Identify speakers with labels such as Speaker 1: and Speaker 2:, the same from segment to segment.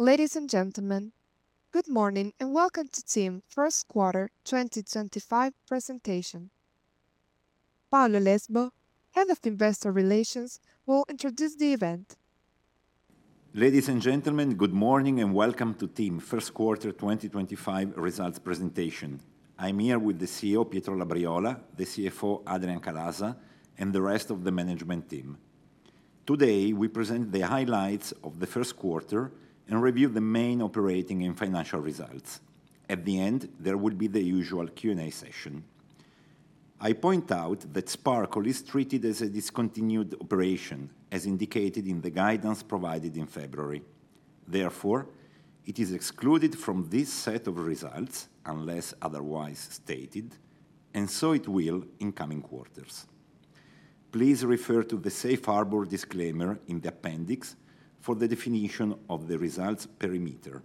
Speaker 1: Ladies and gentlemen, good morning and welcome to TIM first quarter 2025 presentation. Paolo Lesbo, Head of Investor Relations, will introduce the event.
Speaker 2: Ladies and gentlemen, good morning and welcome to TIM first quarter 2025 results presentation. I'm here with the CEO, Pietro Labriola, the CFO, Adrian Calaza, and the rest of the management team. Today, we present the highlights of the first quarter and review the main operating and financial results. At the end, there will be the usual Q&A session. I point out that Sparkle is treated as a discontinued operation, as indicated in the guidance provided in February. Therefore, it is excluded from this set of results unless otherwise stated, and so it will in coming quarters. Please refer to the Safe Harbor disclaimer in the appendix for the definition of the results perimeter.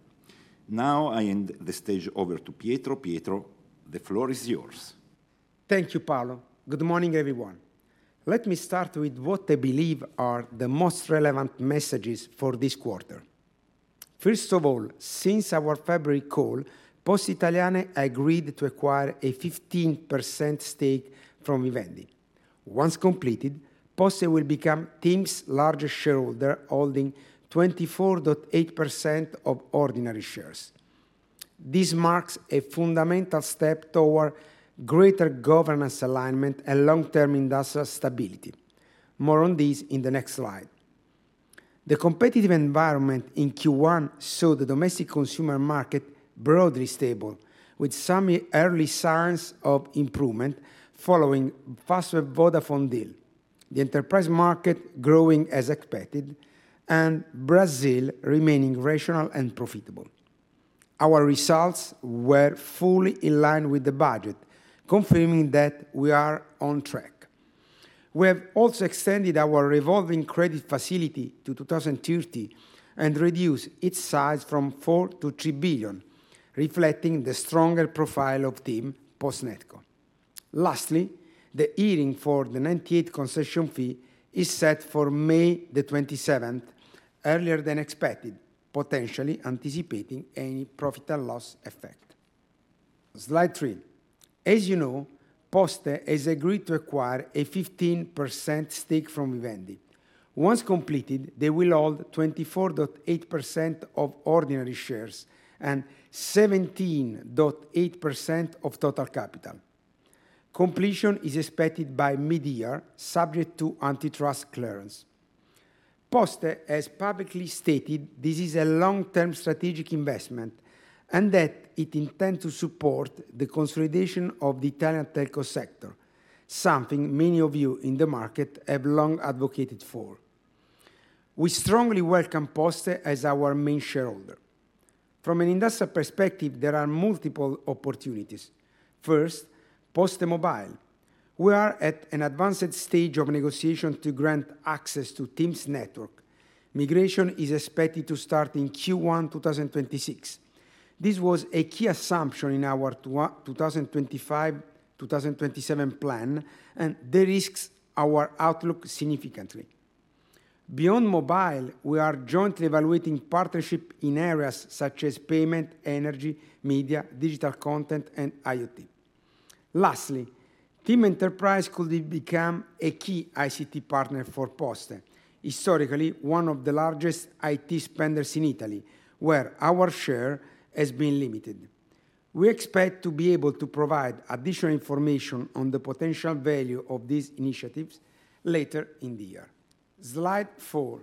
Speaker 2: Now I end the stage over to Pietro. Pietro, the floor is yours.
Speaker 3: Thank you, Paolo. Good morning, everyone. Let me start with what I believe are the most relevant messages for this quarter. First of all, since our February call, Poste Italiane agreed to acquire a 15% stake from Vivendi. Once completed, Poste will become TIM's largest shareholder, holding 24.8% of ordinary shares. This marks a fundamental step toward greater governance alignment and long-term industrial stability. More on this in the next slide. The competitive environment in Q1 saw the domestic consumer market broadly stable, with some early signs of improvement following the Fastweb + Vodafone deal, the enterprise market growing as expected, and Brazil remaining rational and profitable. Our results were fully in line with the budget, confirming that we are on track. We have also extended our revolving credit facility to 2030 and reduced its size from 4 billion to 3 billion, reflecting the stronger profile of TIM, post-Netco. Lastly, the hearing for the 98% concession fee is set for May the 27th, earlier than expected, potentially anticipating any profit and loss effect. Slide three. As you know, Poste has agreed to acquire a 15% stake from Vivendi. Once completed, they will hold 24.8% of ordinary shares and 17.8% of total capital. Completion is expected by mid-year, subject to antitrust clearance. Poste has publicly stated this is a long-term strategic investment and that it intends to support the consolidation of the Italian telco sector, something many of you in the market have long advocated for. We strongly welcome Poste as our main shareholder. From an industrial perspective, there are multiple opportunities. First, PosteMobile. We are at an advanced stage of negotiation to grant access to TIM's network. Migration is expected to start in Q1 2026. This was a key assumption in our 2025-2027 plan, and the risks are outlooked significantly. Beyond mobile, we are jointly evaluating partnerships in areas such as payment, energy, media, digital content, and IoT. Lastly, TIM Enterprise could become a key ICT partner for Poste, historically one of the largest IT spenders in Italy, where our share has been limited. We expect to be able to provide additional information on the potential value of these initiatives later in the year. Slide four.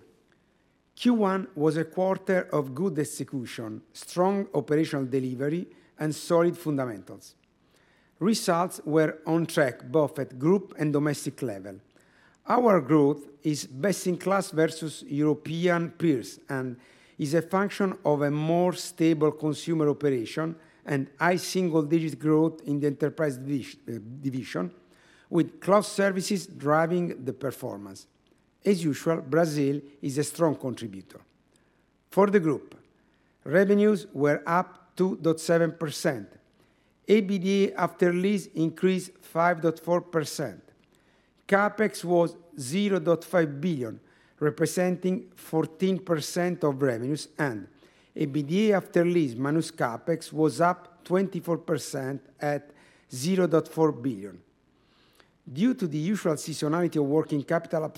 Speaker 3: Q1 was a quarter of good execution, strong operational delivery, and solid fundamentals. Results were on track both at group and domestic level. Our growth is best in class versus European peers and is a function of a more stable consumer operation and high single-digit growth in the enterprise division, with cloud services driving the performance. As usual, Brazil is a strong contributor. For the group, revenues were up 2.7%. EBITDA after lease increased 5.4%. CapEX was 0.5 billion, representing 14% of revenues, and EBITDA after lease minus CapEX was up 24% at 0.4 billion. Due to the usual seasonality of working capital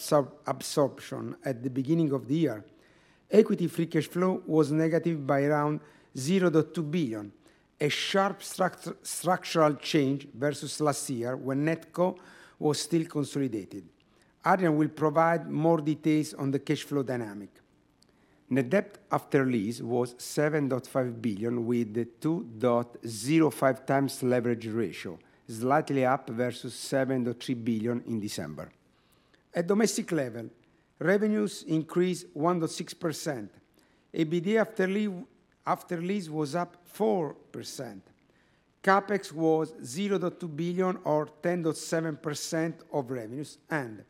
Speaker 3: absorption at the beginning of the year, equity free cash flow was negative by around 0.2 billion, a sharp structural change versus last year when Netco was still consolidated. Adrian will provide more details on the cash flow dynamic. Net debt after lease was 7.5 billion with a 2.05 times leverage ratio, slightly up versus 7.3 billion in December. At domestic level, revenues increased 1.6%. EBITDA after lease was up 4%. CapEX was 0.2 billion or 10.7% of revenues, and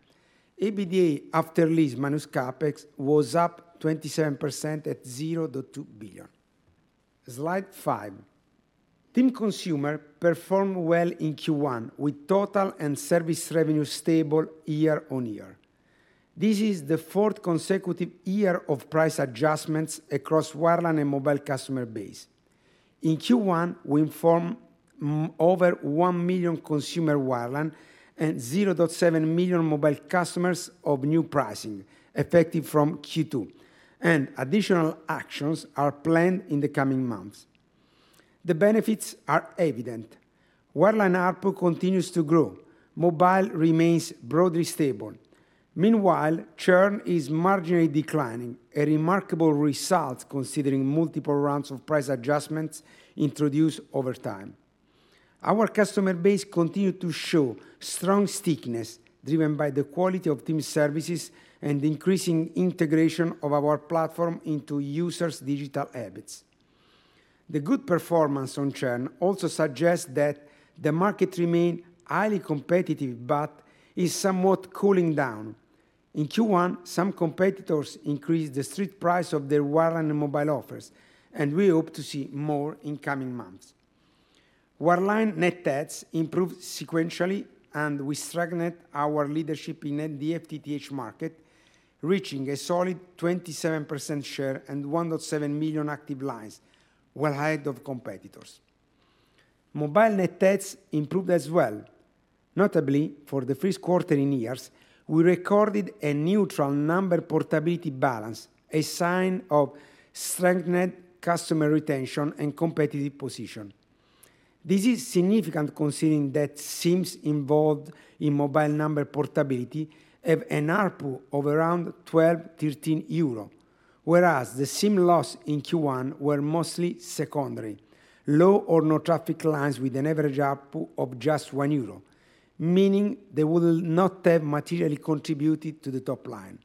Speaker 3: EBITDA after lease minus CapEX was up 27% at 0.2 billion. Slide 5. TIM consumer performed well in Q1, with total and service revenues stable year on year. This is the fourth consecutive year of price adjustments across wireline and mobile customer base. In Q1, we informed over 1 million consumer wireline and 0.7 million mobile customers of new pricing effective from Q2, and additional actions are planned in the coming months. The benefits are evident. Wireline output continues to grow. Mobile remains broadly stable. Meanwhile, churn is marginally declining, a remarkable result considering multiple rounds of price adjustments introduced over time. Our customer base continues to show strong stickiness driven by the quality of TIM services and increasing integration of our platform into users' digital habits. The good performance on churn also suggests that the market remains highly competitive but is somewhat cooling down. In Q1, some competitors increased the street price of their wireline and mobile offers, and we hope to see more in coming months. Wireline net debt improved sequentially, and we strengthened our leadership in the FTTH market, reaching a solid 27% share and 1.7 million active lines well ahead of competitors. Mobile net debt improved as well. Notably, for the first quarter in years, we recorded a neutral number portability balance, a sign of strengthened customer retention and competitive position. This is significant considering that SIMs involved in mobile number portability have an output of around 12 euro-EUR13, whereas the SIM loss in Q1 was mostly secondary, low or no traffic lines with an average output of just 1 euro, meaning they will not have materially contributed to the top line.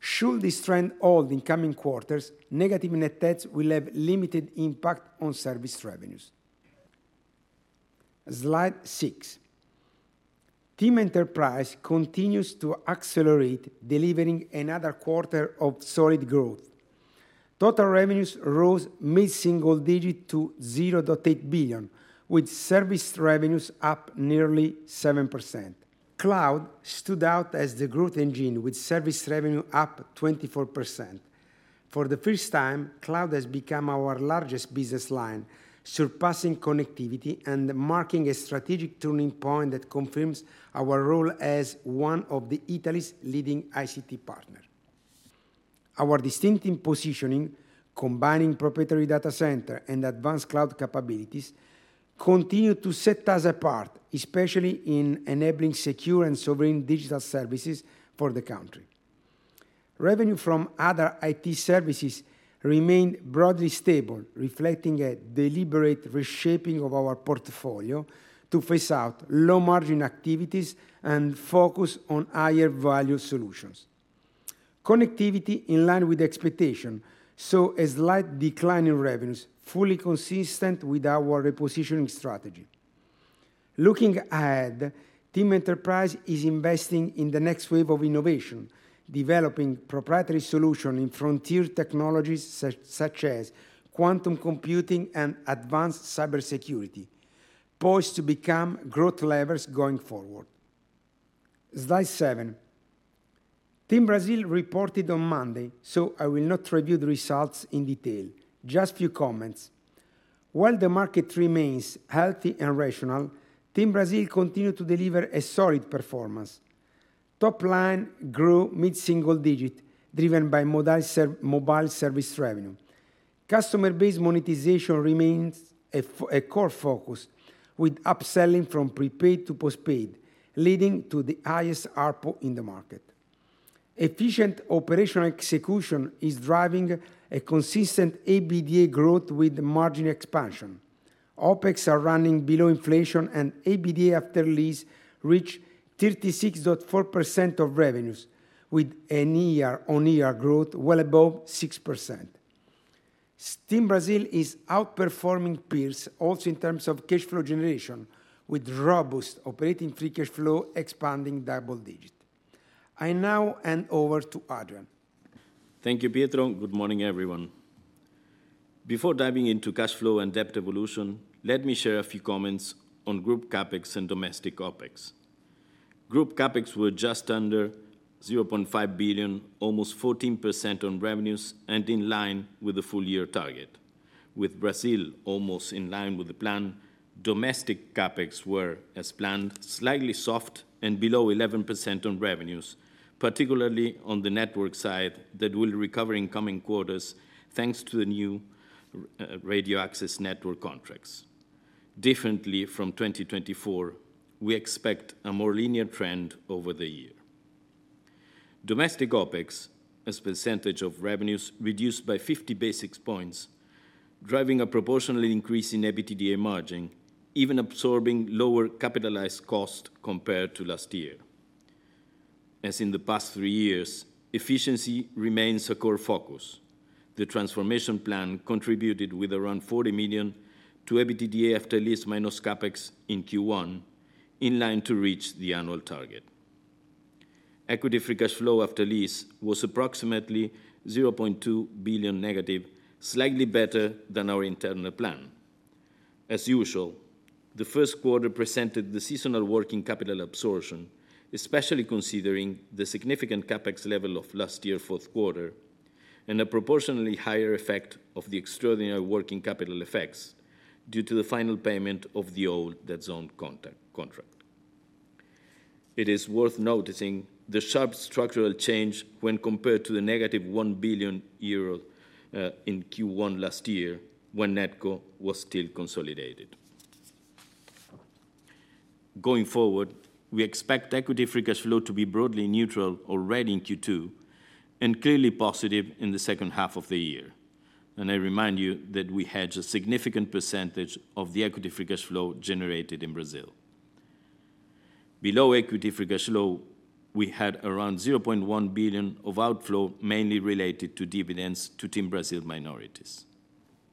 Speaker 3: Should this trend hold in coming quarters, negative net debt will have limited impact on service revenues. Slide six. TIM Enterprise continues to accelerate, delivering another quarter of solid growth. Total revenues rose mid-single digit to 0.8 billion, with service revenues up nearly 7%. Cloud stood out as the growth engine, with service revenue up 24%. For the first time, cloud has become our largest business line, surpassing connectivity and marking a strategic turning point that confirms our role as one of Italy's leading ICT partners. Our distinctive positioning, combining proprietary data center and advanced cloud capabilities, continues to set us apart, especially in enabling secure and sovereign digital services for the country. Revenue from other IT services remained broadly stable, reflecting a deliberate reshaping of our portfolio to phase out low-margin activities and focus on higher-value solutions. Connectivity in line with expectations saw a slight decline in revenues, fully consistent with our repositioning strategy. Looking ahead, TIM Enterprise is investing in the next wave of innovation, developing proprietary solutions in frontier technologies such as quantum computing and advanced cybersecurity, poised to become growth levers going forward. Slide seven. TIM Brasil reported on Monday, so I will not review the results in detail. Just a few comments. While the market remains healthy and rational, TIM Brasil continues to deliver a solid performance. Top line grew mid-single digit, driven by mobile service revenue. Customer-based monetization remains a core focus, with upselling from prepaid to postpaid, leading to the highest output in the market. Efficient operational execution is driving a consistent EBITDA growth with margin expansion. OpEx are running below inflation, and EBITDA after lease reached 36.4% of revenues, with an on-year growth well above 6%. TIM Brasil is outperforming peers also in terms of cash flow generation, with robust operating free cash flow expanding double digit. I now hand over to Adrian.
Speaker 4: Thank you, Pietro. Good morning, everyone. Before diving into cash flow and debt evolution, let me share a few comments on group CapEX and domestic OpEx. Group CapEX were just under 0.5 billion, almost 14% on revenues and in line with the full-year target. With Brazil almost in line with the plan, domestic CapEX were, as planned, slightly soft and below 11% on revenues, particularly on the network side that will recover in coming quarters thanks to the new radio access network contracts. Differently from 2024, we expect a more linear trend over the year. Domestic OpEx, as a percentage of revenues, reduced by 50 basis points, driving a proportional increase in EBITDA margin, even absorbing lower capitalized cost compared to last year. As in the past three years, efficiency remains a core focus. The transformation plan contributed with around 40 million to EBITDA after lease minus CapEX in Q1, in line to reach the annual target. Equity free cash flow after lease was approximately 0.2 billion negative, slightly better than our internal plan. As usual, the first quarter presented the seasonal working capital absorption, especially considering the significant CapEX level of last year's fourth quarter and a proportionally higher effect of the extraordinary working capital effects due to the final payment of the old dead zone contract. It is worth noticing the sharp structural change when compared to the negative 1 billion euro in Q1 last year when Netco was still consolidated. Going forward, we expect equity free cash flow to be broadly neutral already in Q2 and clearly positive in the second half of the year. I remind you that we had a significant percentage of the equity free cash flow generated in Brazil. Below equity free cash flow, we had around 0.1 billion of outflow, mainly related to dividends to TIM Brasil minorities.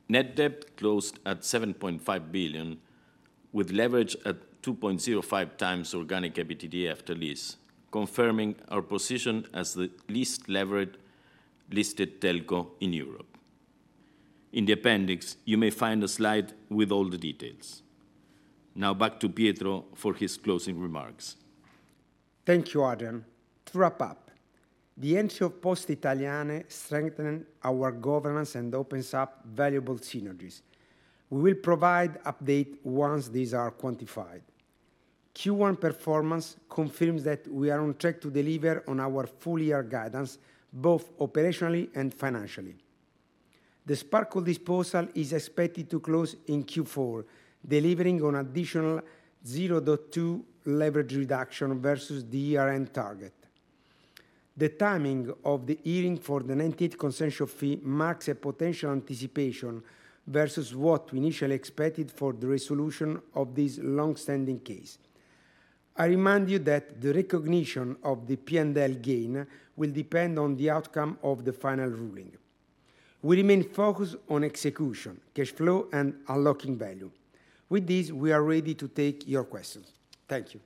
Speaker 4: Net debt closed at 7.5 billion, with leverage at 2.05x organic EBITDA after lease, confirming our position as the least levered listed telco in Europe. In the appendix, you may find a slide with all the details. Now, back to Pietro for his closing remarks.
Speaker 3: Thank you, Adrian. To wrap up, the entry of Poste Italiane strengthens our governance and opens up valuable synergies. We will provide updates once these are quantified. Q1 performance confirms that we are on track to deliver on our full-year guidance, both operationally and financially. The Sparkle disposal is expected to close in Q4, delivering an additional 0.2 leverage reduction versus the year-end target. The timing of the hearing for the 98 consensual fee marks a potential anticipation versus what we initially expected for the resolution of this long-standing case. I remind you that the recognition of the P&L gain will depend on the outcome of the final ruling. We remain focused on execution, cash flow, and unlocking value. With this, we are ready to take your questions. Thank you.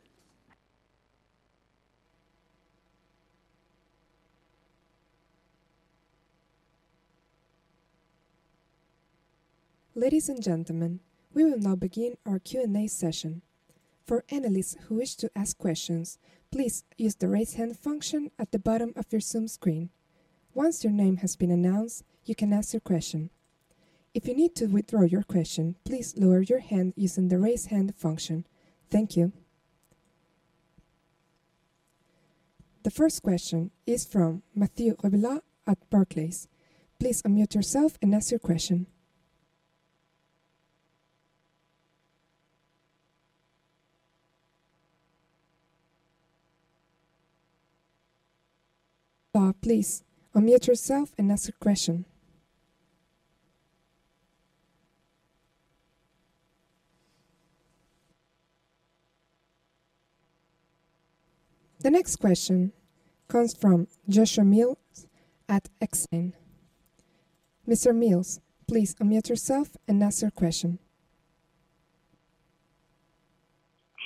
Speaker 1: Ladies and gentlemen, we will now begin our Q&A session. For analysts who wish to ask questions, please use the raise hand function at the bottom of your Zoom screen. Once your name has been announced, you can ask your question. If you need to withdraw your question, please lower your hand using the raise hand function. Thank you. The first question is from Mathieu obilliard at Barclays. Please unmute yourself and ask your question. The next question comes from Joshua Mills at Exane. Mr. Mills, please unmute yourself and ask your question.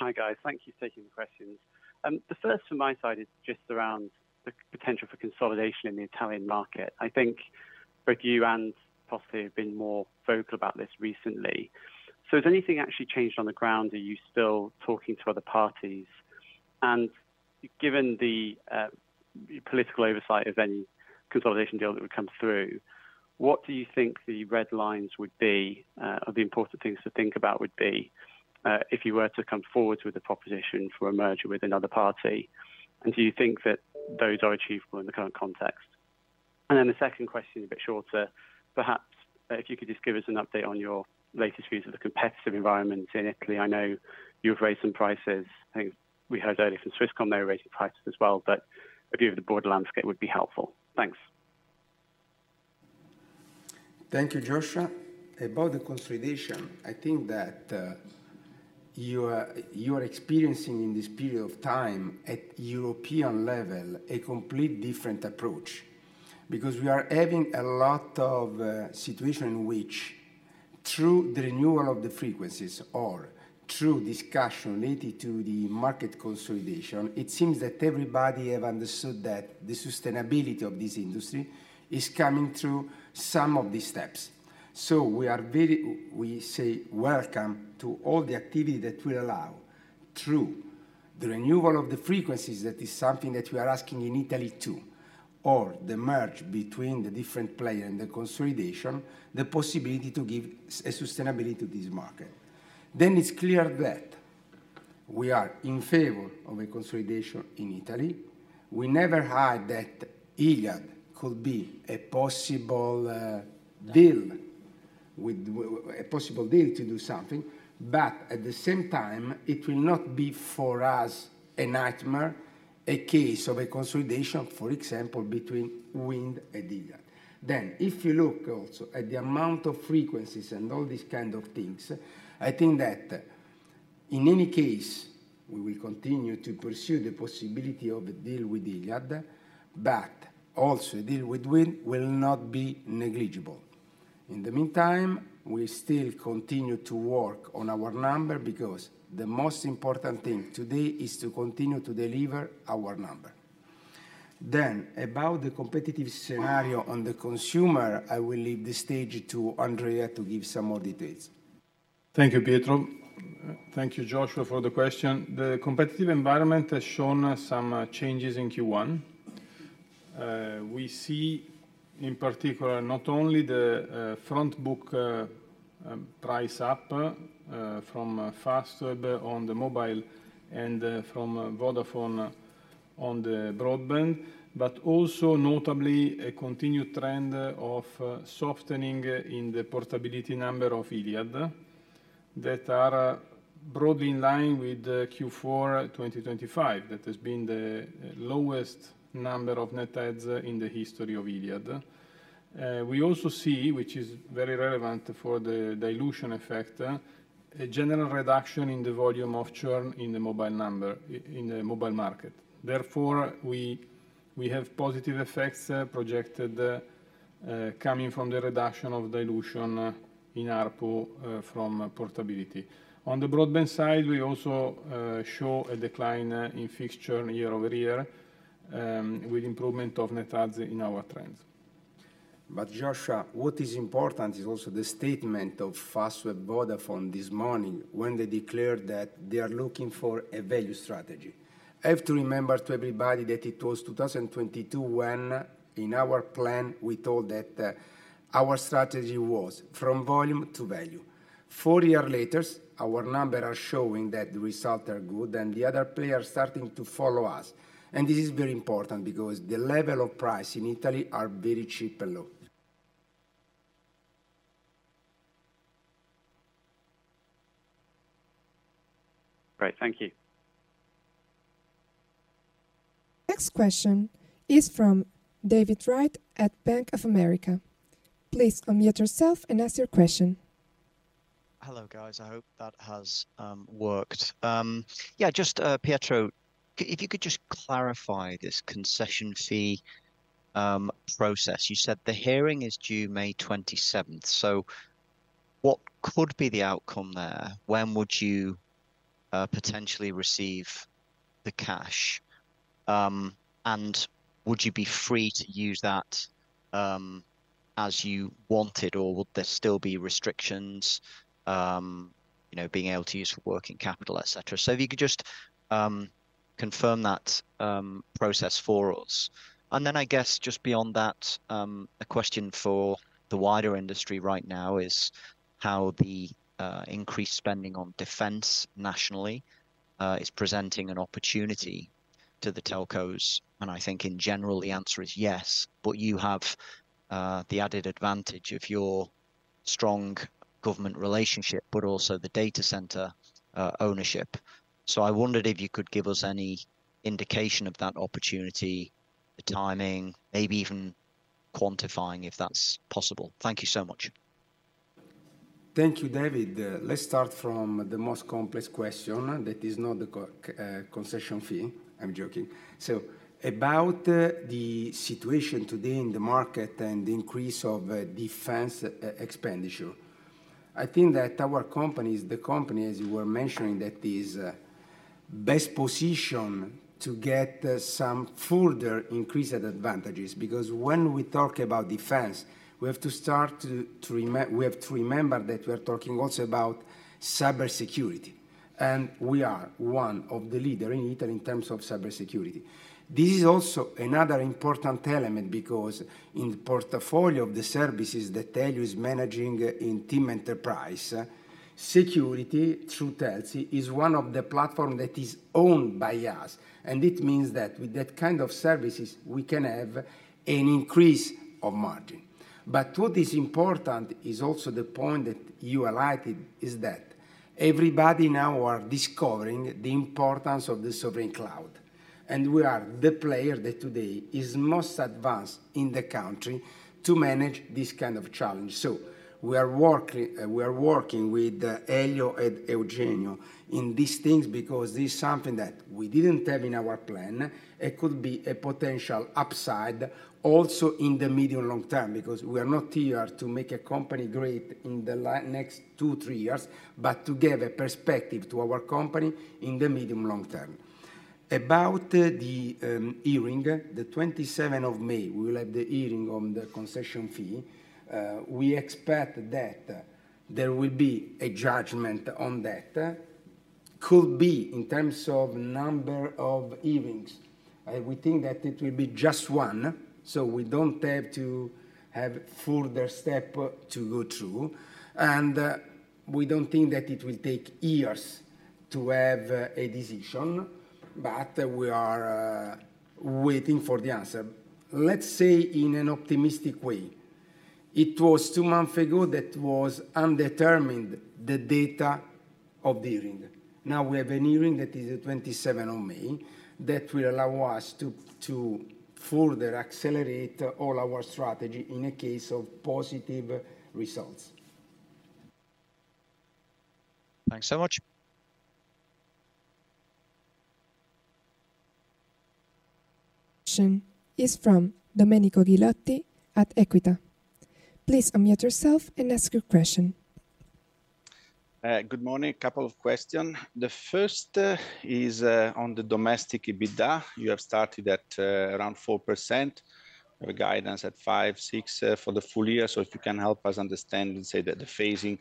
Speaker 5: Hi, guys. Thank you for taking the questions. The first from my side is just around the potential for consolidation in the Italian market. I think both you and Poste have been more vocal about this recently. Has anything actually changed on the ground? Are you still talking to other parties? Given the political oversight of any consolidation deal that would come through, what do you think the red lines would be, or the important things to think about would be if you were to come forward with a proposition for a merger with another party? Do you think that those are achievable in the current context? The second question is a bit shorter. Perhaps if you could just give us an update on your latest views of the competitive environment in Italy. I know you've raised some prices. I think we heard earlier from Swisscom they were raising prices as well, but a view of the broader landscape would be helpful. Thanks.
Speaker 3: Thank you, Joshua. About the consolidation, I think that you are experiencing in this period of time at European level a completely different approach because we are having a lot of situations in which, through the renewal of the frequencies or through discussion related to the market consolidation, it seems that everybody has understood that the sustainability of this industry is coming through some of these steps. We say welcome to all the activity that we allow through the renewal of the frequencies, that is something that we are asking in Italy too, or the merge between the different players and the consolidation, the possibility to give sustainability to this market. It is clear that we are in favor of a consolidation in Italy. We never had that Iliad could be a possible deal to do something, but at the same time, it will not be for us a nightmare, a case of a consolidation, for example, between Wind and Iliad. If you look also at the amount of frequencies and all these kinds of things, I think that in any case, we will continue to pursue the possibility of a deal with Iliad, but also a deal with Wind will not be negligible. In the meantime, we still continue to work on our number because the most important thing today is to continue to deliver our number. About the competitive scenario on the consumer, I will leave the stage to Andrea to give some more details.
Speaker 6: Thank you, Pietro. Thank you, Joshua, for the question. The competitive environment has shown some changes in Q1. We see, in particular, not only the front book price up from Fastweb on the mobile and from Vodafone on the broadband, but also notably a continued trend of softening in the portability number of Iliad that are broadly in line with Q4 2025, that has been the lowest number of net adds in the history of Iliad. We also see, which is very relevant for the dilution effect, a general reduction in the volume of churn in the mobile market. Therefore, we have positive effects projected coming from the reduction of dilution in ARPU from portability. On the broadband side, we also show a decline in fixed churn year over year with improvement of net adds in our trends. Joshua, what is important is also the statement of Fastweb + Vodafone this morning when they declared that they are looking for a value strategy. I have to remember to everybody that it was 2022 when, in our plan, we told that our strategy was from volume to value. Four years later, our numbers are showing that the results are good and the other players are starting to follow us. This is very important because the level of price in Italy is very cheap and low.
Speaker 5: Great. Thank you.
Speaker 1: Next question is from David Wright at Bank of America. Please unmute yourself and ask your question.
Speaker 7: Hello, guys. I hope that has worked. Yeah, just Pietro, if you could just clarify this concession fee process. You said the hearing is due May 27th. What could be the outcome there? When would you potentially receive the cash? Would you be free to use that as you wanted, or would there still be restrictions being able to use for working capital, etc.? If you could just confirm that process for us. I guess just beyond that, a question for the wider industry right now is how the increased spending on defense nationally is presenting an opportunity to the telcos. I think in general, the answer is yes, but you have the added advantage of your strong government relationship, but also the data center ownership. I wondered if you could give us any indication of that opportunity, the timing, maybe even quantifying if that's possible. Thank you so much.
Speaker 3: Thank you, David. Let's start from the most complex question that is not the concession fee. I'm joking. About the situation today in the market and the increase of defense expenditure, I think that our companies, the company, as you were mentioning, that is best positioned to get some further increased advantages because when we talk about defense, we have to start to remember that we are talking also about cybersecurity. We are one of the leaders in Italy in terms of cybersecurity. This is also another important element because in the portfolio of the services that Telsi is managing in TIM Enterprise, security through Telsi is one of the platforms that is owned by us. It means that with that kind of services, we can have an increase of margin. What is important is also the point that you highlighted is that everybody now is discovering the importance of the sovereign cloud. We are the player that today is most advanced in the country to manage this kind of challenge. We are working with Elio and Eugenio in these things because this is something that we did not have in our plan. It could be a potential upside also in the medium and long term because we are not here to make a company great in the next two, three years, but to give a perspective to our company in the medium and long term. About the hearing, the 27th of May, we will have the hearing on the concession fee. We expect that there will be a judgment on that. It could be in terms of number of hearings. We think that it will be just one, so we do not have to have further steps to go through. We do not think that it will take years to have a decision, but we are waiting for the answer. Let's say in an optimistic way, it was two months ago that was undetermined the date of the hearing. Now we have a hearing that is the 27th of May that will allow us to further accelerate all our strategy in a case of positive results.
Speaker 7: Thanks so much.
Speaker 1: Question is from Domenico Ghilotti at Equita. Please unmute yourself and ask your question.
Speaker 8: Good morning. A couple of questions. The first is on the domestic EBITDA. You have started at around 4%. We have a guidance at 5%-6% for the full year. If you can help us understand, say, the phasing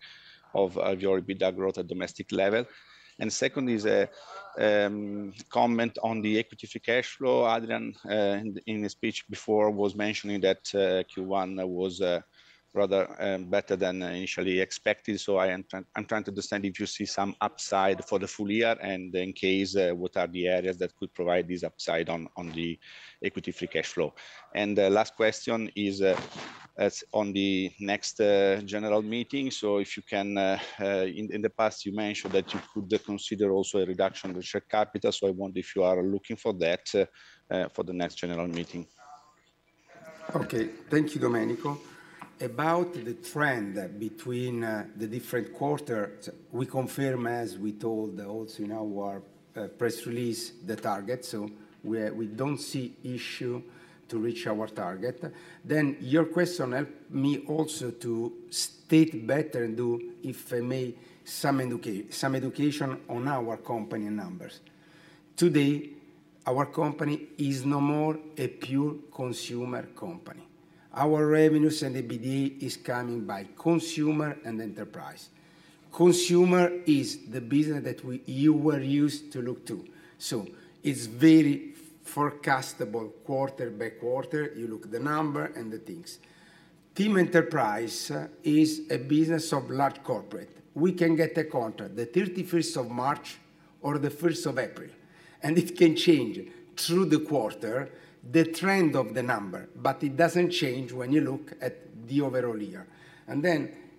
Speaker 8: of your EBITDA growth at domestic level. The second is a comment on the equity-free cash flow. Adrian, in his speech before, was mentioning that Q1 was rather better than initially expected. I'm trying to understand if you see some upside for the full year and in case what are the areas that could provide this upside on the equity-free cash flow. The last question is on the next general meeting. In the past, you mentioned that you could consider also a reduction of the share capital. I wonder if you are looking for that for the next general meeting.
Speaker 3: Okay. Thank you, Domenico. About the trend between the different quarters, we confirm, as we told also in our press release, the target. We do not see an issue to reach our target. Your question helped me also to state better and do, if I may, some education on our company and numbers. Today, our company is no more a pure consumer company. Our revenues and EBITDA are coming by consumer and enterprise. Consumer is the business that you were used to look to. It is very forecastable quarter by quarter. You look at the number and the things. TIM Enterprise is a business of large corporate. We can get a contract the 31st of March or the 1st of April. It can change through the quarter the trend of the number, but it does not change when you look at the overall year.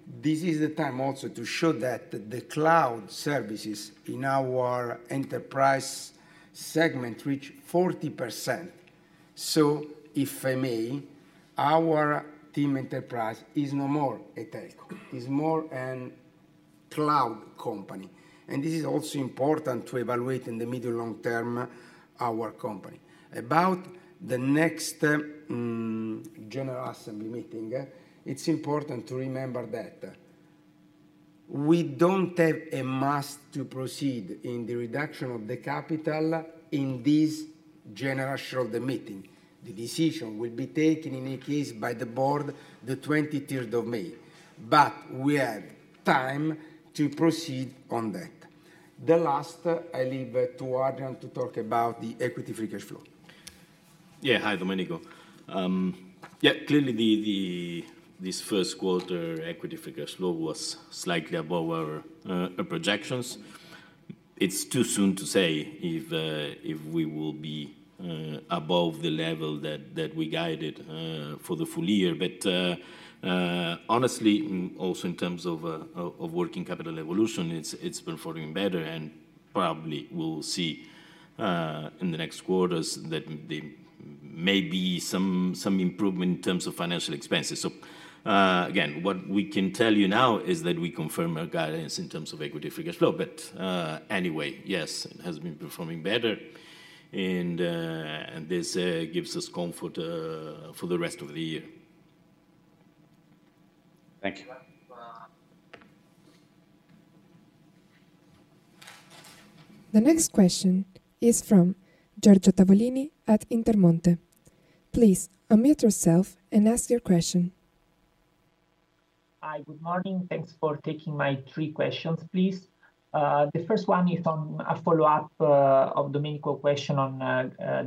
Speaker 3: This is the time also to show that the cloud services in our enterprise segment reach 40%. If I may, our TIM Enterprise is no more a telco. It is more a cloud company. This is also important to evaluate in the medium and long term our company. About the next general assembly meeting, it is important to remember that we do not have a must to proceed in the reduction of the capital in this general assembly meeting. The decision will be taken in any case by the board the 23rd of May. We have time to proceed on that. Last, I leave to Adrian to talk about the equity-free cash flow.
Speaker 4: Yeah. Hi, Domenico. Yeah, clearly this first quarter equity-free cash flow was slightly above our projections. It's too soon to say if we will be above the level that we guided for the full year. Honestly, also in terms of working capital evolution, it's performing better. Probably we'll see in the next quarters that there may be some improvement in terms of financial expenses. Again, what we can tell you now is that we confirm our guidance in terms of equity-free cash flow. Anyway, yes, it has been performing better. This gives us comfort for the rest of the year.
Speaker 8: Thank you.
Speaker 1: The next question is from Giorgio Tavolini at Intermonte. Please unmute yourself and ask your question.
Speaker 9: Hi, good morning. Thanks for taking my three questions, please. The first one is a follow-up of Domenico's question on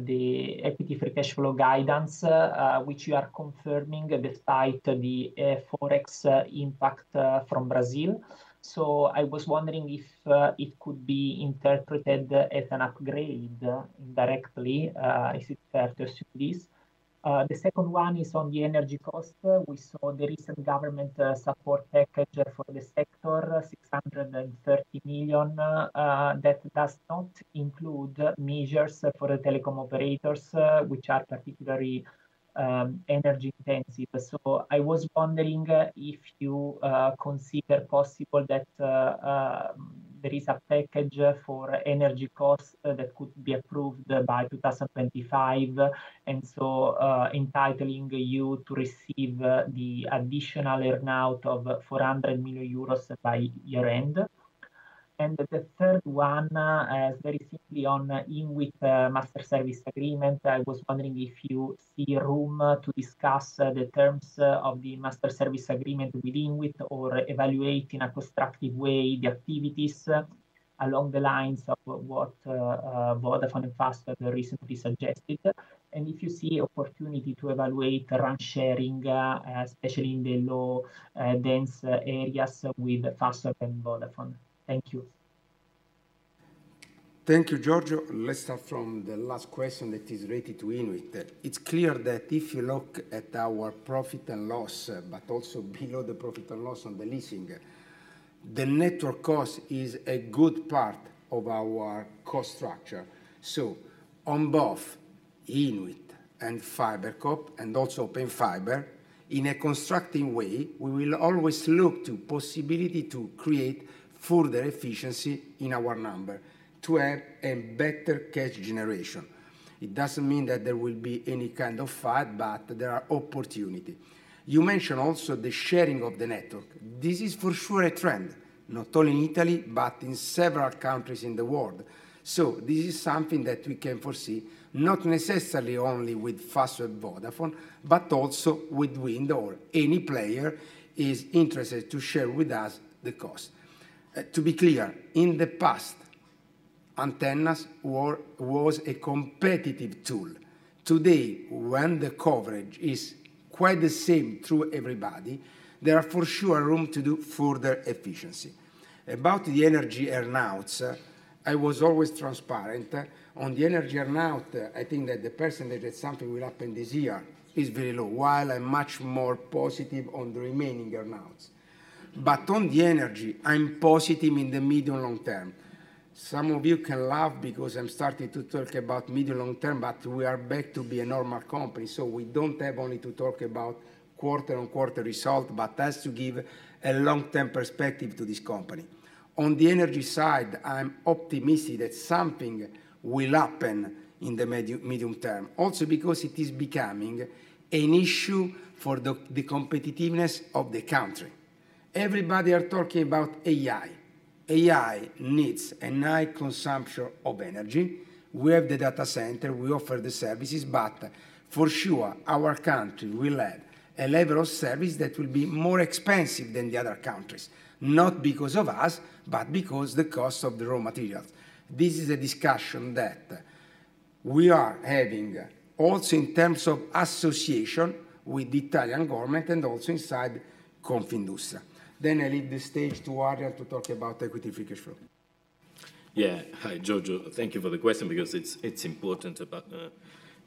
Speaker 9: the equity-free cash flow guidance, which you are confirming despite the forex impact from Brazil. I was wondering if it could be interpreted as an upgrade indirectly. Is it fair to assume this? The second one is on the energy cost. We saw the recent government support package for the sector, 630 million, that does not include measures for the telecom operators, which are particularly energy intensive. I was wondering if you consider possible that there is a package for energy costs that could be approved by 2025, and entitling you to receive the additional earnout of 400 million euros by year-end. The third one is very simply on the INWIT master service agreement. I was wondering if you see room to discuss the terms of the master service agreement with INWIT or evaluate in a constructive way the activities along the lines of what Vodafone and Fastweb recently suggested. If you see an opportunity to evaluate the run-sharing, especially in the low-dense areas with Fastweb + Vodafone. Thank you.
Speaker 3: Thank you, Giorgio. Let's start from the last question that is related to INWIT. It's clear that if you look at our profit and loss, but also below the profit and loss on the leasing, the network cost is a good part of our cost structure. On both INWIT and FiberCop, and also Open Fiber, in a constructive way, we will always look to the possibility to create further efficiency in our number to have a better cash generation. It doesn't mean that there will be any kind of fight, but there are opportunities. You mentioned also the sharing of the network. This is for sure a trend, not only in Italy, but in several countries in the world. This is something that we can foresee, not necessarily only with Fastweb + Vodafone, but also with Wind or any player who is interested to share with us the cost. To be clear, in the past, antennas were a competitive tool. Today, when the coverage is quite the same through everybody, there is for sure room to do further efficiency. About the energy earnouts, I was always transparent on the energy earnout. I think that the percentage that something will happen this year is very low, while I'm much more positive on the remaining earnouts. On the energy, I'm positive in the medium and long term. Some of you can laugh because I'm starting to talk about medium and long term, but we are back to being a normal company. We do not have only to talk about quarter-on-quarter results, but that is to give a long-term perspective to this company. On the energy side, I am optimistic that something will happen in the medium term, also because it is becoming an issue for the competitiveness of the country. Everybody is talking about AI. AI needs a high consumption of energy. We have the data center. We offer the services. For sure, our country will have a level of service that will be more expensive than the other countries, not because of us, but because of the cost of the raw materials. This is a discussion that we are having also in terms of association with the Italian government and also inside Confindustria. I leave the stage to Adrian to talk about equity-free cash flow.
Speaker 10: Yeah. Hi, Giorgio. Thank you for the question because it's important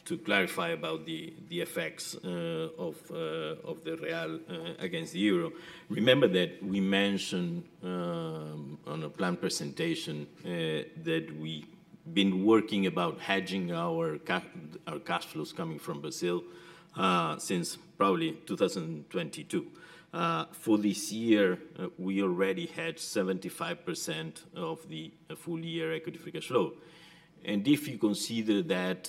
Speaker 10: to clarify about the effects of the real against the euro. Remember that we mentioned on the plan presentation that we've been working about hedging our cash flows coming from Brazil since probably 2022. For this year, we already had 75% of the full-year equity-free cash flow. And if you consider that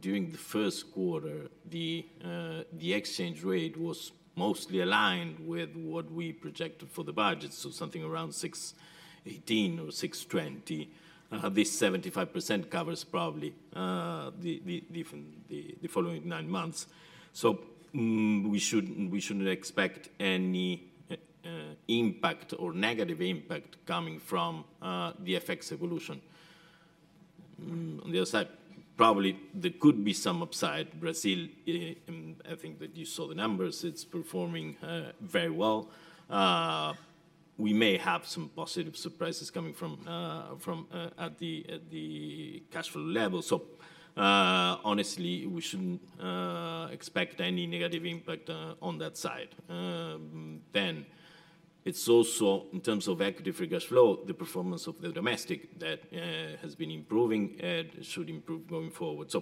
Speaker 10: during the first quarter, the exchange rate was mostly aligned with what we projected for the budget, so something around 6.18 or 6.20, this 75% covers probably the following nine months. We shouldn't expect any impact or negative impact coming from the FX evolution. On the other side, probably there could be some upside. Brazil, I think that you saw the numbers. It's performing very well. We may have some positive surprises coming from at the cash flow level. Honestly, we should not expect any negative impact on that side. It is also in terms of equity-free cash flow, the performance of the domestic that has been improving should improve going forward.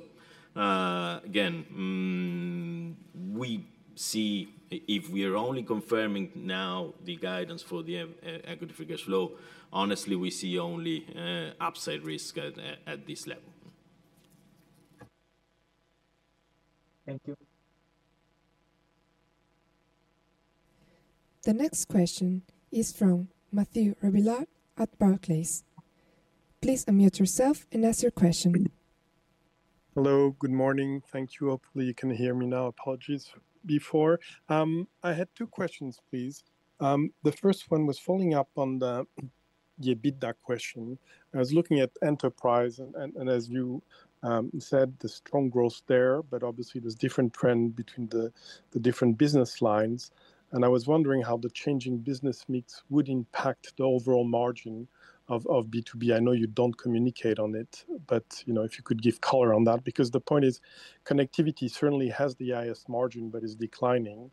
Speaker 10: Again, we see if we are only confirming now the guidance for the equity-free cash flow, honestly, we see only upside risk at this level.
Speaker 9: Thank you.
Speaker 1: The next question is from Mathieu Robilliard at Barclays. Please unmute yourself and ask your question.
Speaker 11: Hello. Good morning. Thank you. Hopefully, you can hear me now. Apologies before. I had two questions, please. The first one was following up on the EBITDA question. I was looking at enterprise, and as you said, the strong growth there, but obviously, there is a different trend between the different business lines. I was wondering how the changing business mix would impact the overall margin of B2B. I know you do not communicate on it, but if you could give color on that, because the point is connectivity certainly has the highest margin, but it is declining.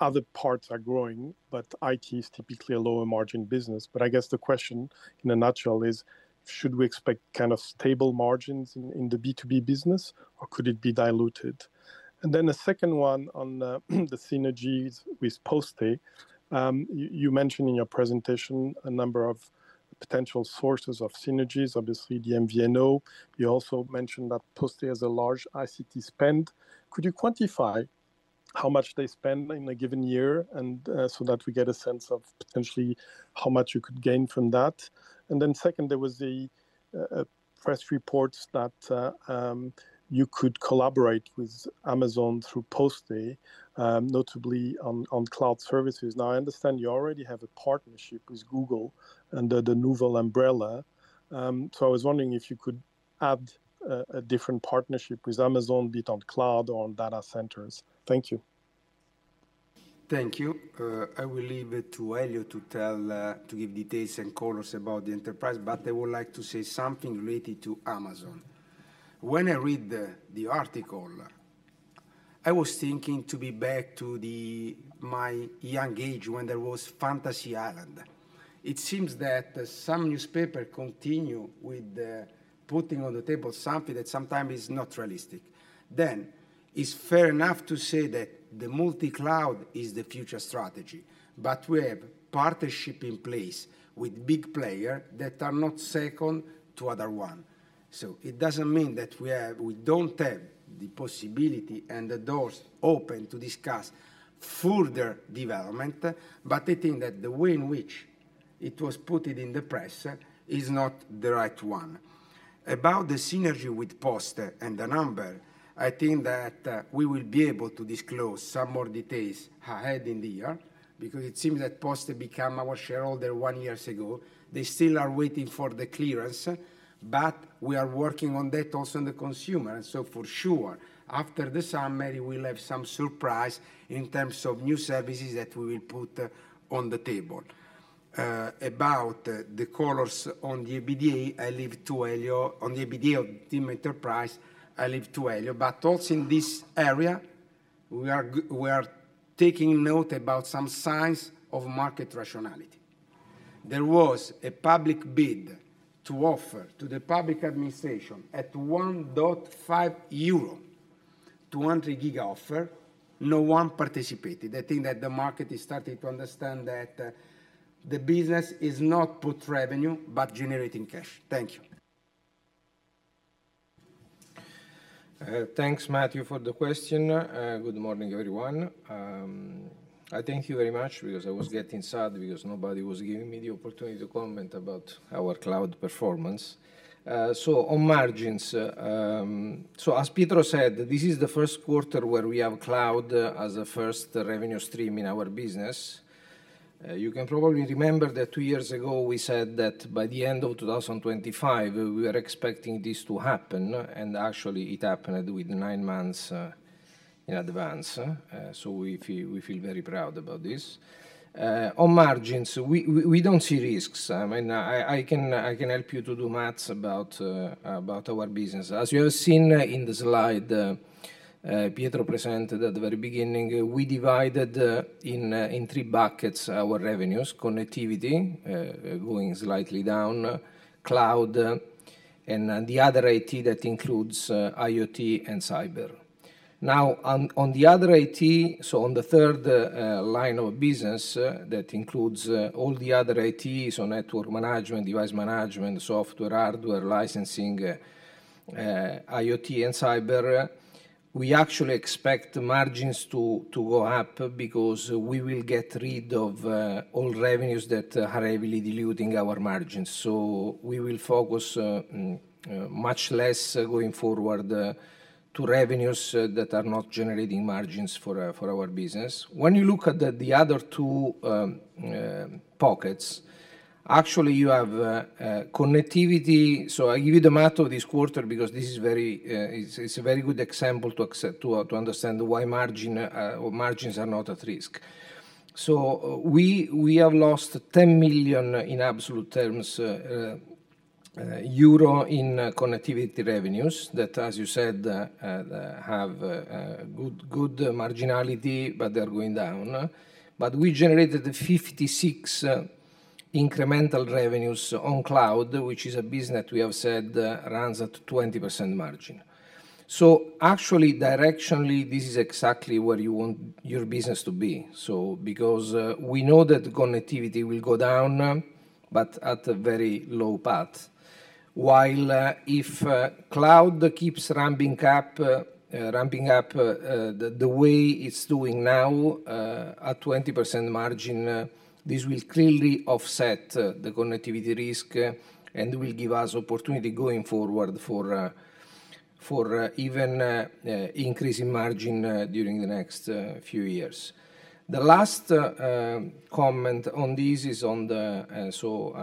Speaker 11: Other parts are growing, but IT is typically a lower-margin business. I guess the question in a nutshell is, should we expect kind of stable margins in the B2B business, or could it be diluted? Then the second one on the synergies with Poste, you mentioned in your presentation a number of potential sources of synergies, obviously the MVNO. You also mentioned that Poste has a large ICT spend. Could you quantify how much they spend in a given year so that we get a sense of potentially how much you could gain from that? Second, there were the press reports that you could collaborate with Amazon through Poste, notably on cloud services. Now, I understand you already have a partnership with Google under the Nouvel Umbrella. I was wondering if you could add a different partnership with Amazon, be it on cloud or on data centers. Thank you.
Speaker 3: Thank you. I will leave it to Elio to give details and colors about the enterprise, but I would like to say something related to Amazon. When I read the article, I was thinking to be back to my young age when there was Fantasy Island. It seems that some newspapers continue with putting on the table something that sometimes is not realistic. It is fair enough to say that the multi-cloud is the future strategy, but we have partnerships in place with big players that are not second to other ones. It does not mean that we do not have the possibility and the doors open to discuss further development, but I think that the way in which it was put in the press is not the right one. About the synergy with Poste and the number, I think that we will be able to disclose some more details ahead in the year because it seems that Poste became our shareholder one year ago. They still are waiting for the clearance, but we are working on that also on the consumer. For sure, after the summary, we'll have some surprise in terms of new services that we will put on the table. About the colors on the EBITDA, I leave it to Elio. On the EBITDA of TIM Enterprise, I leave it to Elio. Also in this area, we are taking note about some signs of market rationality. There was a public bid to offer to the public administration at 1.5 euro to 100 gig offer; no one participated. I think that the market is starting to understand that the business is not put revenue, but generating cash. Thank you.
Speaker 10: Thanks, Matthew, for the question. Good morning, everyone. I thank you very much because I was getting sad because nobody was giving me the opportunity to comment about our cloud performance. On margins, as Pietro said, this is the first quarter where we have cloud as a first revenue stream in our business. You can probably remember that two years ago, we said that by the end of 2025, we were expecting this to happen. Actually, it happened with nine months in advance. We feel very proud about this. On margins, we do not see risks. I mean, I can help you to do maths about our business. As you have seen in the slide Pietro presented at the very beginning, we divided in three buckets our revenues: connectivity going slightly down, cloud, and the other IT that includes IoT and cyber. Now, on the other IT, so on the third line of business that includes all the other IT, so network management, device management, software, hardware, licensing, IoT, and cyber, we actually expect margins to go up because we will get rid of all revenues that are heavily diluting our margins. We will focus much less going forward to revenues that are not generating margins for our business. When you look at the other two pockets, actually, you have connectivity. I give you the math of this quarter because this is a very good example to understand why margins are not at risk. We have lost 10 million in absolute terms in connectivity revenues that, as you said, have good marginality, but they are going down. We generated 56 million incremental revenues on cloud, which is a business that we have said runs at 20% margin. Actually, directionally, this is exactly where you want your business to be. Because we know that connectivity will go down, but at a very low path. While if cloud keeps ramping up the way it is doing now at 20% margin, this will clearly offset the connectivity risk and will give us opportunity going forward for even increasing margin during the next few years. The last comment on this is on the, so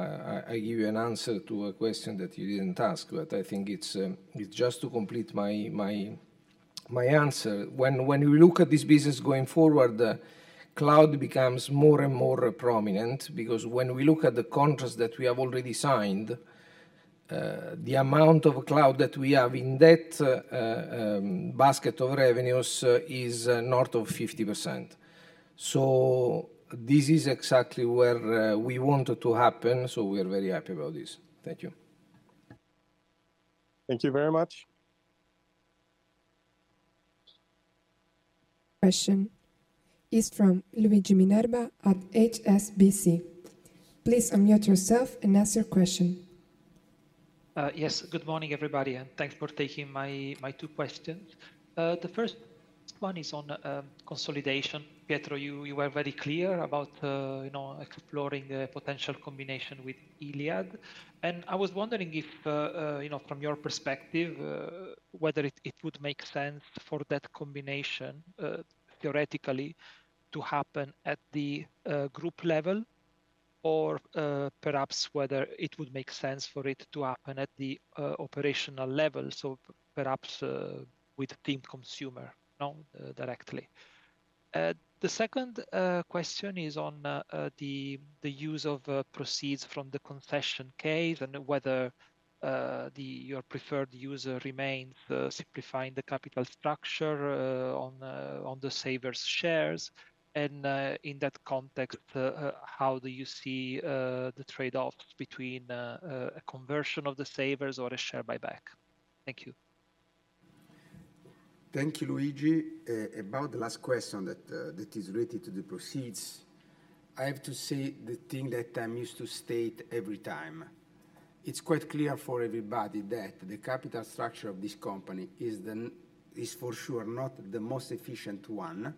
Speaker 10: I give you an answer to a question that you did not ask, but I think it is just to complete my answer. When we look at this business going forward, cloud becomes more and more prominent because when we look at the contracts that we have already signed, the amount of cloud that we have in that basket of revenues is north of 50%. This is exactly where we want it to happen. We are very happy about this. Thank you.
Speaker 11: Thank you very much.
Speaker 1: Question is from Luigi Minerva at HSBC. Please unmute yourself and ask your question.
Speaker 12: Yes. Good morning, everybody. Thanks for taking my two questions. The first one is on consolidation. Pietro, you were very clear about exploring a potential combination with Iliad. I was wondering if, from your perspective, whether it would make sense for that combination theoretically to happen at the group level or perhaps whether it would make sense for it to happen at the operational level, so perhaps with TIM Consumer directly. The second question is on the use of proceeds from the concession case and whether your preferred use remains simplifying the capital structure on the savers' shares. In that context, how do you see the trade-offs between a conversion of the savers or a share buyback? Thank you.
Speaker 3: Thank you, Luigi. About the last question that is related to the proceeds, I have to say the thing that I'm used to stating every time. It's quite clear for everybody that the capital structure of this company is for sure not the most efficient one.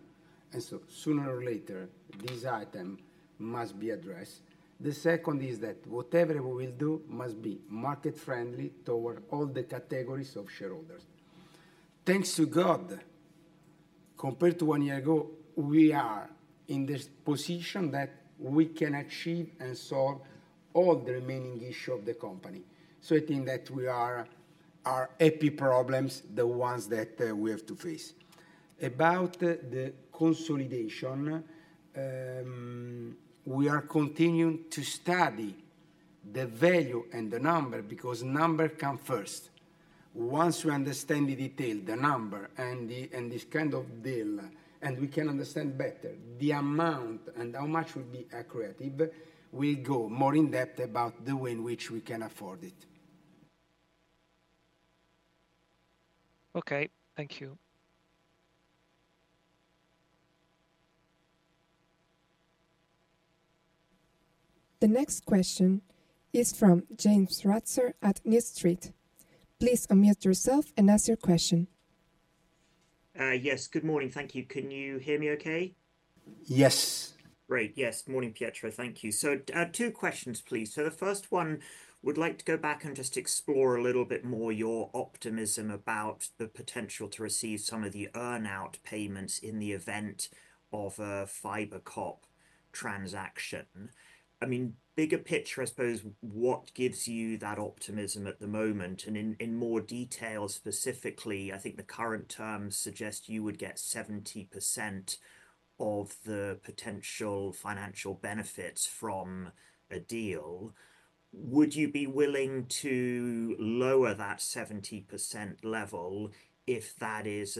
Speaker 3: So sooner or later, this item must be addressed. The second is that whatever we will do must be market-friendly toward all the categories of shareholders. Thanks to God, compared to one year ago, we are in this position that we can achieve and solve all the remaining issues of the company. I think that we are our EPI problems, the ones that we have to face. About the consolidation, we are continuing to study the value and the number because number comes first. Once we understand the detail, the number and this kind of deal, and we can understand better the amount and how much will be accurate, we'll go more in-depth about the way in which we can afford it.
Speaker 12: Okay. Thank you.
Speaker 1: The next question is from James Ratzer at New Street. Please unmute yourself and ask your question.
Speaker 13: Yes. Good morning. Thank you. Can you hear me okay?
Speaker 3: Yes.
Speaker 13: Great. Yes. Good morning, Pietro. Thank you. Two questions, please. The first one, would like to go back and just explore a little bit more your optimism about the potential to receive some of the earn-out payments in the event of a FiberCop transaction. I mean, bigger picture, I suppose, what gives you that optimism at the moment? In more detail, specifically, I think the current terms suggest you would get 70% of the potential financial benefits from a deal. Would you be willing to lower that 70% level if that is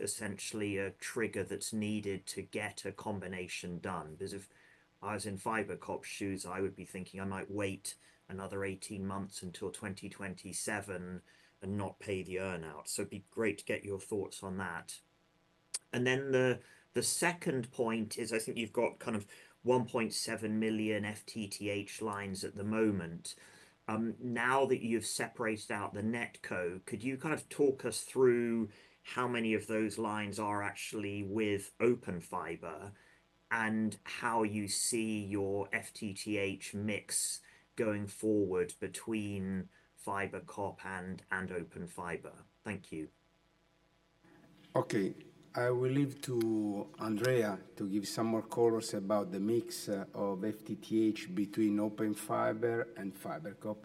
Speaker 13: essentially a trigger that's needed to get a combination done? Because if I was in FiberCop shoes, I would be thinking I might wait another 18 months until 2027 and not pay the earn-out. It would be great to get your thoughts on that. The second point is I think you have kind of 1.7 million FTTH lines at the moment. Now that you have separated out the Netco, could you kind of talk us through how many of those lines are actually with Open Fiber and how you see your FTTH mix going forward between FiberCop and Open Fiber? Thank you.
Speaker 3: Okay. I will leave it to Andrea to give some more colors about the mix of FTTH between Open Fiber and FiberCop.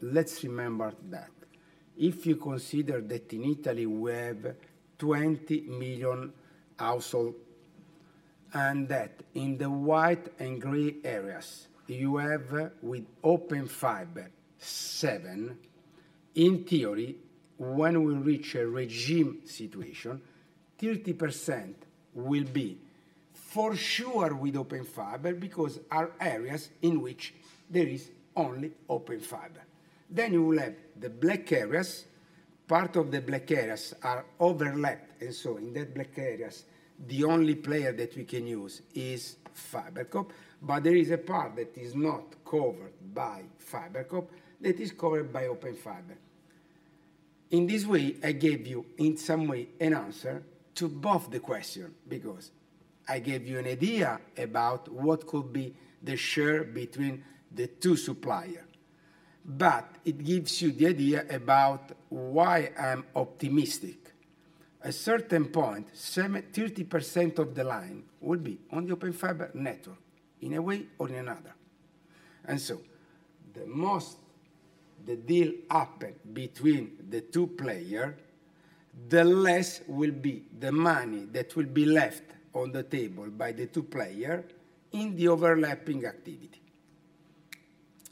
Speaker 3: Let's remember that if you consider that in Italy, we have 20 million households, and that in the white and gray areas, you have with Open Fiber, seven. In theory, when we reach a regime situation, 30% will be for sure with Open Fiber because there are areas in which there is only Open Fiber. You will have the black areas. Part of the black areas are overlapped. In that black area, the only player that we can use is FiberCop. There is a part that is not covered by FiberCop that is covered by Open Fiber. In this way, I gave you in some way an answer to both the questions because I gave you an idea about what could be the share between the two suppliers. It gives you the idea about why I'm optimistic. At a certain point, 30% of the line will be on the Open Fiber network in a way or in another. The deal happened between the two players, the less will be the money that will be left on the table by the two players in the overlapping activity.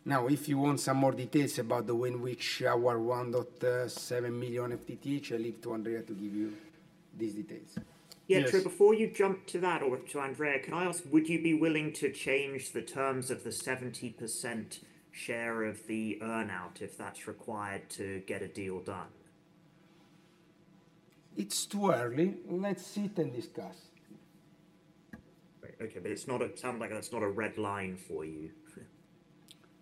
Speaker 3: Now, if you want some more details about the way in which our 1.7 million FTTH, I leave it to Andrea to give you these details.
Speaker 13: Pietro, before you jump to that or to Andrea, can I ask, would you be willing to change the terms of the 70% share of the earn-out if that's required to get a deal done?
Speaker 3: It's too early. Let's sit and discuss.
Speaker 13: Okay. It sounds like that's not a red line for you.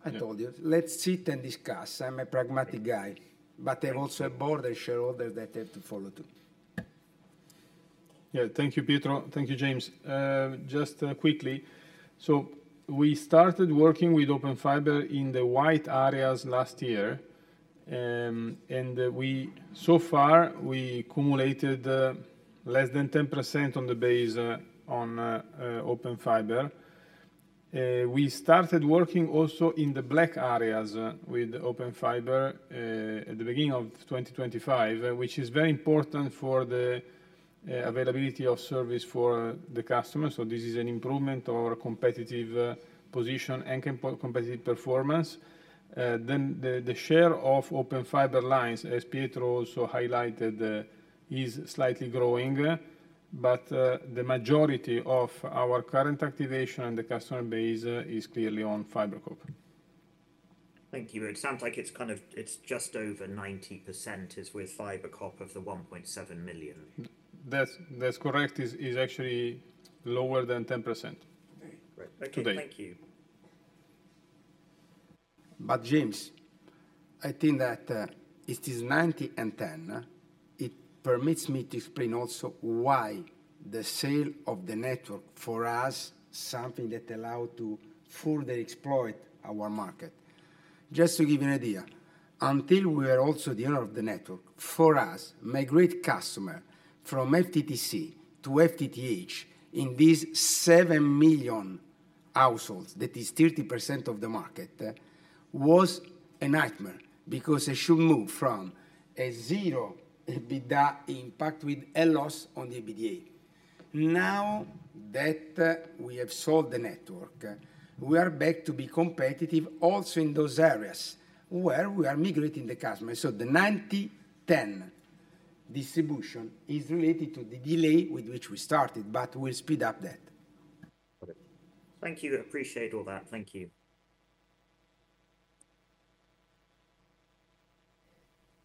Speaker 3: I told you. Let's sit and discuss. I'm a pragmatic guy, but I have also a broader shareholder that I have to follow too.
Speaker 6: Yeah. Thank you, Pietro. Thank you, James. Just quickly, we started working with Open Fiber in the white areas last year. And so far, we accumulated less than 10% on the base on Open Fiber. We started working also in the black areas with Open Fiber at the beginning of 2025, which is very important for the availability of service for the customers. This is an improvement of our competitive position and competitive performance. The share of Open Fiber lines, as Pietro also highlighted, is slightly growing. The majority of our current activation and the customer base is clearly on FiberCop.
Speaker 13: Thank you. It sounds like it's kind of just over 90% is with FiberCop of the 1.7 million.
Speaker 6: That's correct. It's actually lower than 10% today.
Speaker 13: Okay. Great. Thank you.
Speaker 3: James, I think that it is 90%-10%. It permits me to explain also why the sale of the network for us is something that allows us to further exploit our market. Just to give you an idea, until we were also the owner of the network, for us, migrate customer from FTTC to FTTH in these 7 million households, that is 30% of the market, was a nightmare because it should move from a zero EBITDA impact with a loss on the EBITDA. Now that we have sold the network, we are back to be competitive also in those areas where we are migrating the customers. The 90%-10% distribution is related to the delay with which we started, but we'll speed up that.
Speaker 13: Thank you. Appreciate all that. Thank you.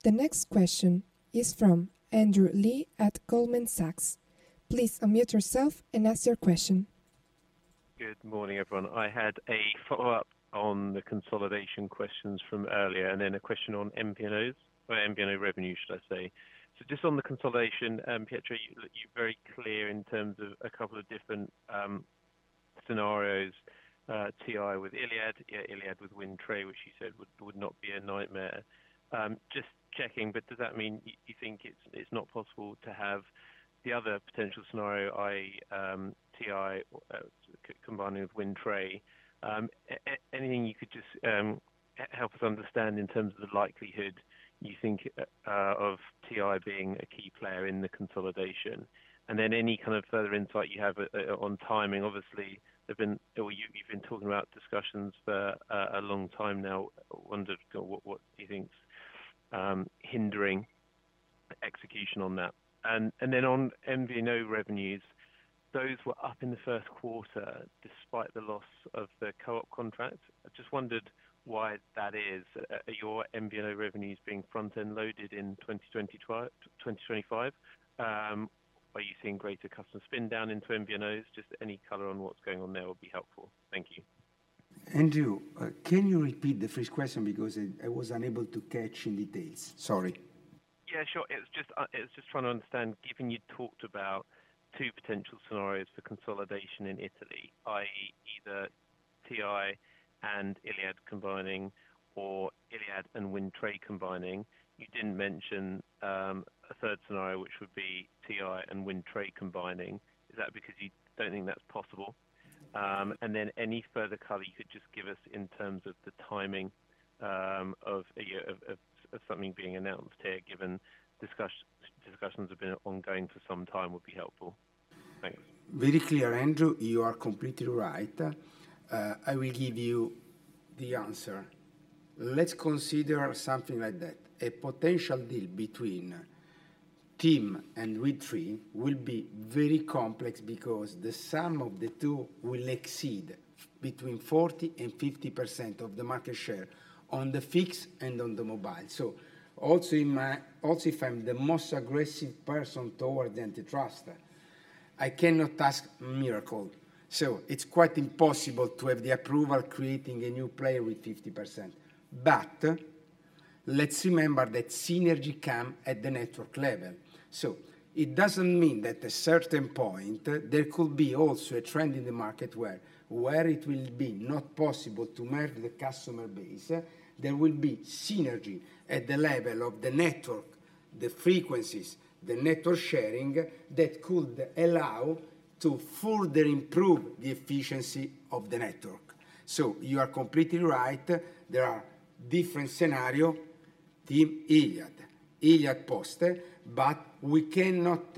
Speaker 1: The next question is from Andrew Lee at Goldman Sachs. Please unmute yourself and ask your question.
Speaker 14: Good morning, everyone. I had a follow-up on the consolidation questions from earlier and then a question on MP&Os or MP&O revenue, should I say. Just on the consolidation, Pietro, you're very clear in terms of a couple of different scenarios, TIM with Iliad, Iliad with Wind Tre, which you said would not be a nightmare. Just checking, but does that mean you think it's not possible to have the other potential scenario, TIM combining with Wind Tre? Anything you could just help us understand in terms of the likelihood you think of TIM being a key player in the consolidation? Any kind of further insight you have on timing? Obviously, you've been talking about discussions for a long time now. I wonder what do you think's hindering execution on that? On MVNO revenues, those were up in the first quarter despite the loss of the co-op contract. I just wondered why that is. Are your MVNO revenues being front-end loaded in 2025? Are you seeing greater customer spin down into MVNOs? Just any color on what's going on there would be helpful. Thank you.
Speaker 3: Andrew, can you repeat the first question because I was unable to catch in details? Sorry.
Speaker 14: Yeah, sure. I was just trying to understand, given you talked about two potential scenarios for consolidation in Italy, i.e., either TIM and Iliad combining or Iliad and Wind Tre combining, you did not mention a third scenario, which would be TIM and Wind Tre combining. Is that because you do not think that is possible? Any further color you could just give us in terms of the timing of something being announced here, given discussions have been ongoing for some time, would be helpful. Thanks.
Speaker 3: Very clear, Andrew. You are completely right. I will give you the answer. Let's consider something like that. A potential deal between TIM and Wind Tre will be very complex because the sum of the two will exceed between 40% and 50% of the market share on the fixed and on the mobile. Also, if I'm the most aggressive person toward the antitrust, I cannot ask miracles. It is quite impossible to have the approval creating a new player with 50%. Let's remember that synergy comes at the network level. It does not mean that at a certain point, there could be also a trend in the market where it will be not possible to merge the customer base. There will be synergy at the level of the network, the frequencies, the network sharing that could allow to further improve the efficiency of the network. You are completely right. There are different scenarios, Team Elio, Elio poster, but we cannot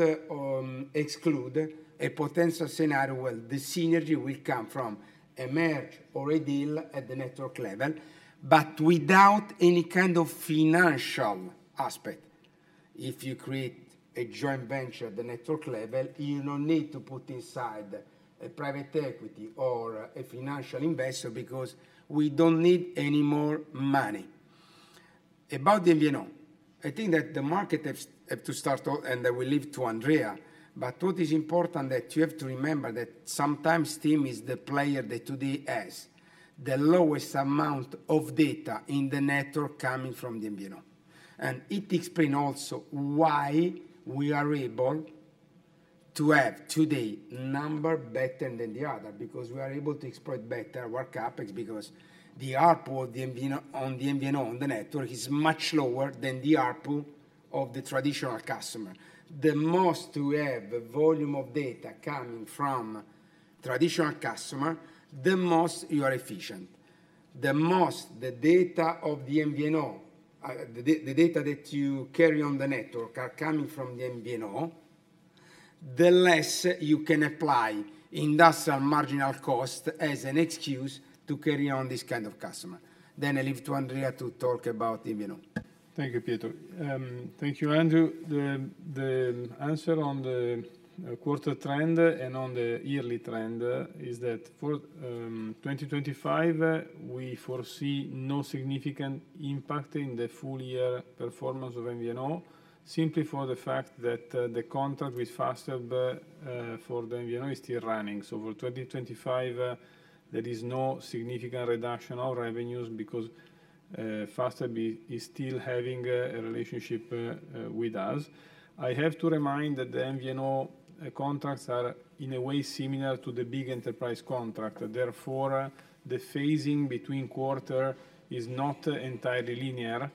Speaker 3: exclude a potential scenario where the synergy will come from a merge or a deal at the network level, but without any kind of financial aspect. If you create a joint venture at the network level, you do not need to put inside a private equity or a financial investor because we do not need any more money. About the MVNO, I think that the market has to start, and I will leave it to Andrea, but what is important that you have to remember is that sometimes TIM is the player that today has the lowest amount of data in the network coming from the MVNO. It explains also why we are able to have today number better than the other because we are able to exploit better our CapEX because the ARPU on the MVNO on the network is much lower than the ARPU of the traditional customer. The more you have volume of data coming from traditional customer, the more you are efficient. The more the data of the MVNO, the data that you carry on the network are coming from the MVNO, the less you can apply industrial marginal cost as an excuse to carry on this kind of customer. I leave it to Andrea to talk about the MVNO.
Speaker 6: Thank you, Pietro. Thank you, Andrew. The answer on the quarter trend and on the yearly trend is that for 2025, we foresee no significant impact in the full-year performance of MVNO simply for the fact that the contract with Fastweb for the MVNO is still running. For 2025, there is no significant reduction of revenues because Fastweb is still having a relationship with us. I have to remind that the MVNO contracts are in a way similar to the big enterprise contract. Therefore, the phasing between quarters is not entirely linear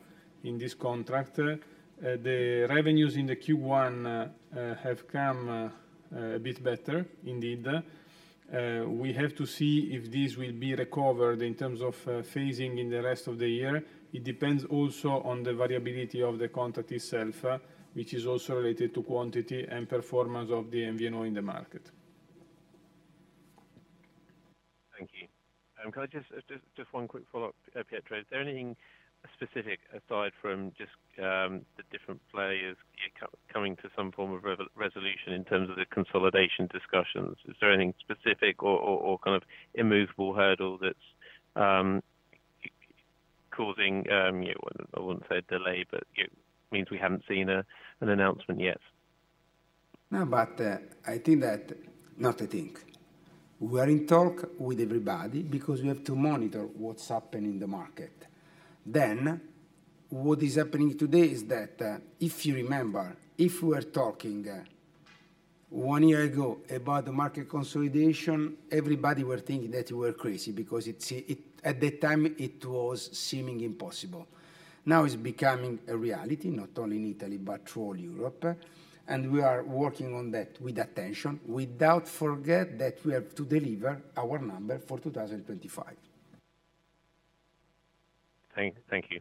Speaker 6: in this contract. The revenues in Q1 have come a bit better, indeed. We have to see if this will be recovered in terms of phasing in the rest of the year. It depends also on the variability of the contract itself, which is also related to quantity and performance of the MVNO in the market.
Speaker 14: Thank you. Just one quick follow-up, Pietro. Is there anything specific aside from just the different players coming to some form of resolution in terms of the consolidation discussions? Is there anything specific or kind of immovable hurdle that's causing, I wouldn't say a delay, but it means we haven't seen an announcement yet?
Speaker 3: No, but I think that, not I think. We are in talk with everybody because we have to monitor what's happening in the market. What is happening today is that if you remember, if we were talking one year ago about the market consolidation, everybody were thinking that we were crazy because at that time, it was seeming impossible. Now it's becoming a reality, not only in Italy, but all Europe. We are working on that with attention, without forgetting that we have to deliver our number for 2025.
Speaker 14: Thank you.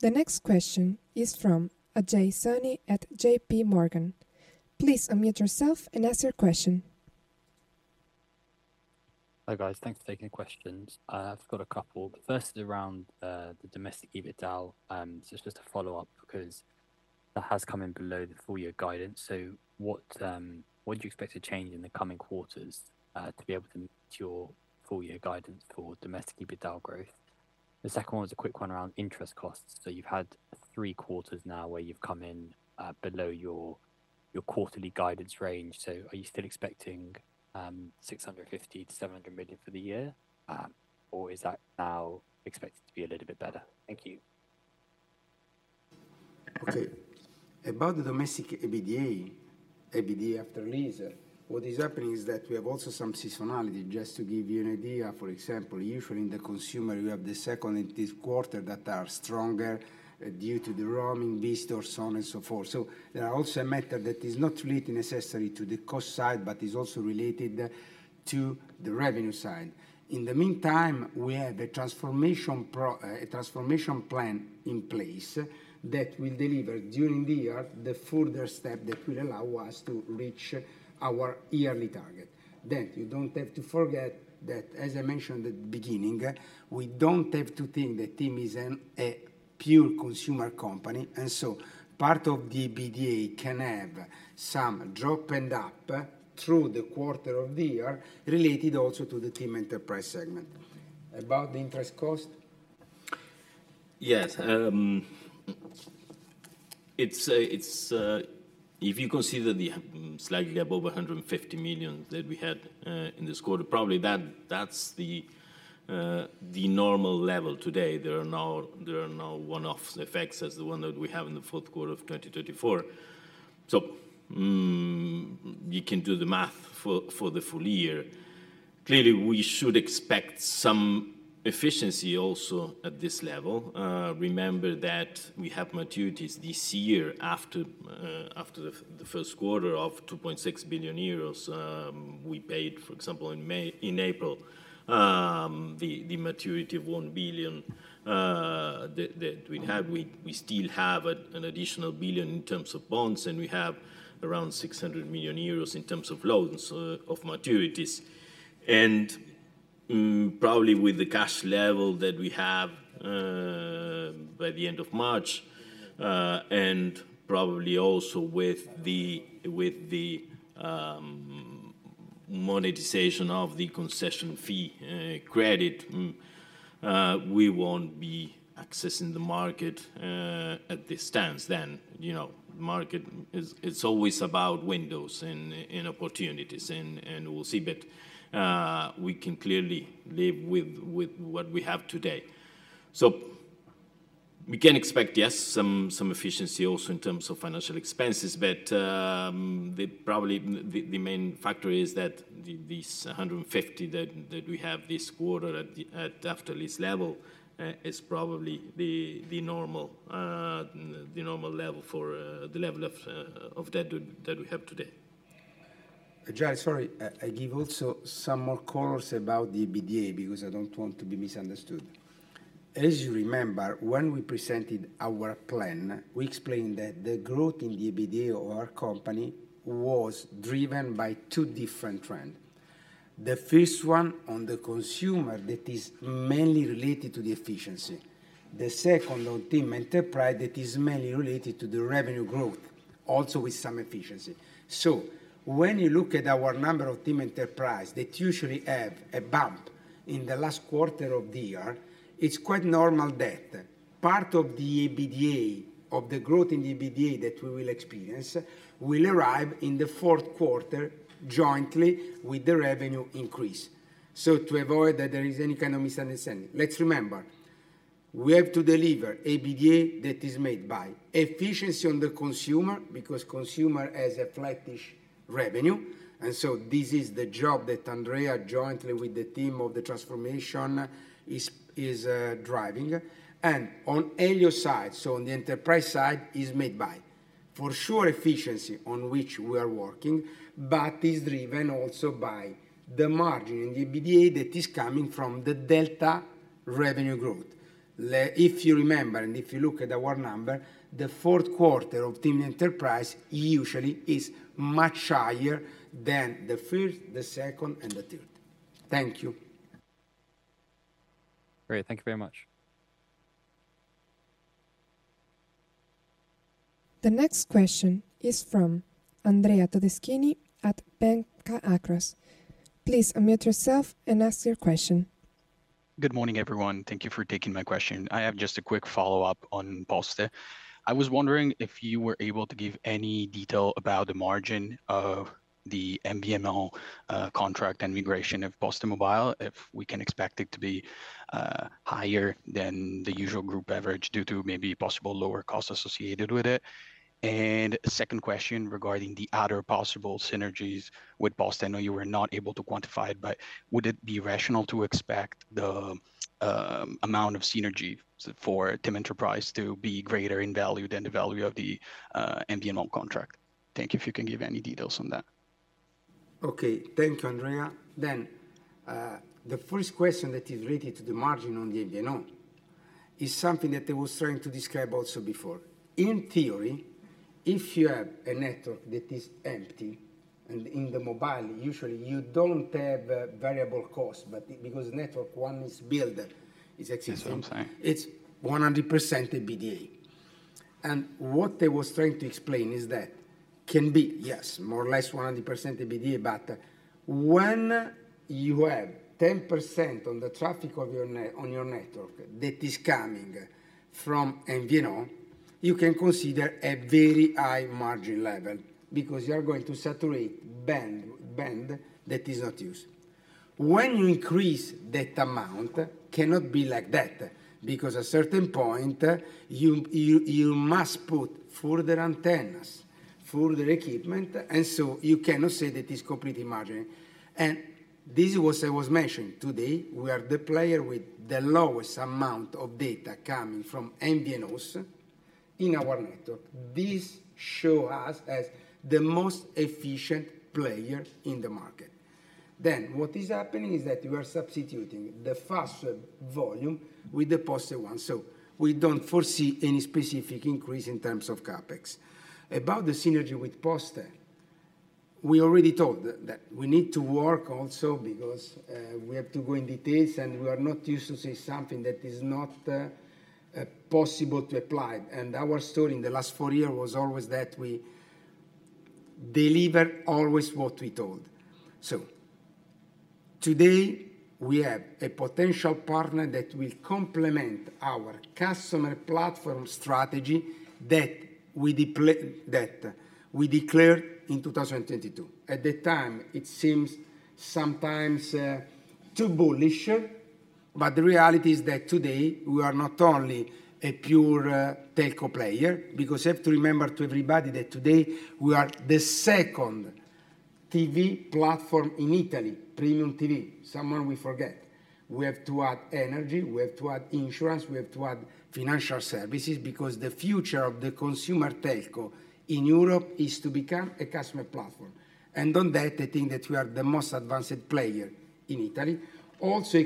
Speaker 1: The next question is from Ajay Soni at JPMorgan. Please unmute yourself and ask your question.
Speaker 15: Hi guys. Thanks for taking the questions. I've got a couple. The first is around the domestic EBITDA. It is just a follow-up because that has come in below the full-year guidance. What do you expect to change in the coming quarters to be able to meet your full-year guidance for domestic EBITDA growth? The second one was a quick one around interest costs. You have had three quarters now where you have come in below your quarterly guidance range. Are you still expecting 650 million-700 million for the year, or is that now expected to be a little bit better? Thank you.
Speaker 3: Okay. About the domestic EBITDA, EBITDA after lease, what is happening is that we have also some seasonality. Just to give you an idea, for example, usually in the consumer, you have the second and third quarter that are stronger due to the roaming business, so on and so forth. There are also a method that is not related necessarily to the cost side, but is also related to the revenue side. In the meantime, we have a transformation plan in place that will deliver during the year the further step that will allow us to reach our yearly target. You do not have to forget that, as I mentioned at the beginning, we do not have to think that TIM is a pure consumer company. Part of the EBITDA can have some drop and up through the quarter of the year related also to the TIM Enterprise segment. About the interest cost?
Speaker 4: Yes. If you consider the slightly above 150 million that we had in this quarter, probably that's the normal level today. There are no one-off effects as the one that we have in the fourth quarter of 2024. You can do the math for the full year. Clearly, we should expect some efficiency also at this level. Remember that we have maturities this year after the first quarter of 2.6 billion euros we paid, for example, in April, the maturity of 1 billion that we had. We still have an additional 1 billion in terms of bonds, and we have around 600 million euros in terms of loans of maturities. Probably with the cash level that we have by the end of March and probably also with the monetization of the concession fee credit, we won't be accessing the market at this stance then. The market, it's always about windows and opportunities, and we'll see. We can clearly live with what we have today. We can expect, yes, some efficiency also in terms of financial expenses, but probably the main factor is that this 150 million that we have this quarter at after lease level is probably the normal level for the level of debt that we have today.
Speaker 3: Ajay, sorry. I give also some more colors about the EBITDA because I do not want to be misunderstood. As you remember, when we presented our plan, we explained that the growth in the EBITDA of our company was driven by two different trends. The first one on the consumer that is mainly related to the efficiency. The second on TIM Enterprise that is mainly related to the revenue growth, also with some efficiency. When you look at our number of TIM Enterprise that usually have a bump in the last quarter of the year, it is quite normal that part of the EBITDA of the growth in the EBITDA that we will experience will arrive in the fourth quarter jointly with the revenue increase. To avoid that there is any kind of misunderstanding, let's remember we have to deliver EBITDA that is made by efficiency on the consumer because consumer has a flattish revenue. This is the job that Andrea, jointly with the team of the transformation, is driving. On Elio's side, on the enterprise side, it is made by, for sure, efficiency on which we are working, but it is driven also by the margin in the EBITDA that is coming from the delta revenue growth. If you remember, and if you look at our number, the fourth quarter of TIM Enterprise usually is much higher than the first, the second, and the third. Thank you.
Speaker 15: Great. Thank you very much.
Speaker 1: The next question is from Andrea Todeschini at Banca Akros. Please unmute yourself and ask your question.
Speaker 16: Good morning, everyone. Thank you for taking my question. I have just a quick follow-up on Poste. I was wondering if you were able to give any detail about the margin of the MVNO contract and migration of PosteMobile, if we can expect it to be higher than the usual group average due to maybe possible lower costs associated with it. Second question regarding the other possible synergies with Poste. I know you were not able to quantify it, but would it be rational to expect the amount of synergy for TIM Enterprise to be greater in value than the value of the MVNO contract? Thank you if you can give any details on that.
Speaker 3: Okay. Thank you, Andrea. The first question that is related to the margin on the MVNO is something that I was trying to describe also before. In theory, if you have a network that is empty and in the mobile, usually you do not have variable costs, but because network one is built, it is 100% EBITDA. What I was trying to explain is that can be, yes, more or less 100% EBITDA, but when you have 10% of the traffic on your network that is coming from MVNO, you can consider a very high margin level because you are going to saturate band that is not used. When you increase that amount, it cannot be like that because at a certain point, you must put further antennas, further equipment, and you cannot say that it is completely margin. This was mentioned today. We are the player with the lowest amount of data coming from MVNOs in our network. This shows us as the most efficient player in the market. What is happening is that you are substituting the Fastweb volume with the Poste one. We do not foresee any specific increase in terms of CapEX. About the synergy with Poste, we already told that we need to work also because we have to go in details and we are not used to say something that is not possible to apply. Our story in the last four years was always that we deliver always what we told. Today, we have a potential partner that will complement our customer platform strategy that we declared in 2022. At that time, it seemed sometimes too bullish, but the reality is that today, we are not only a pure telco player because you have to remember to everybody that today, we are the second TV platform in Italy, premium TV, someone we forget. We have to add energy. We have to add insurance. We have to add financial services because the future of the consumer telco in Europe is to become a customer platform. On that, I think that we are the most advanced player in Italy, also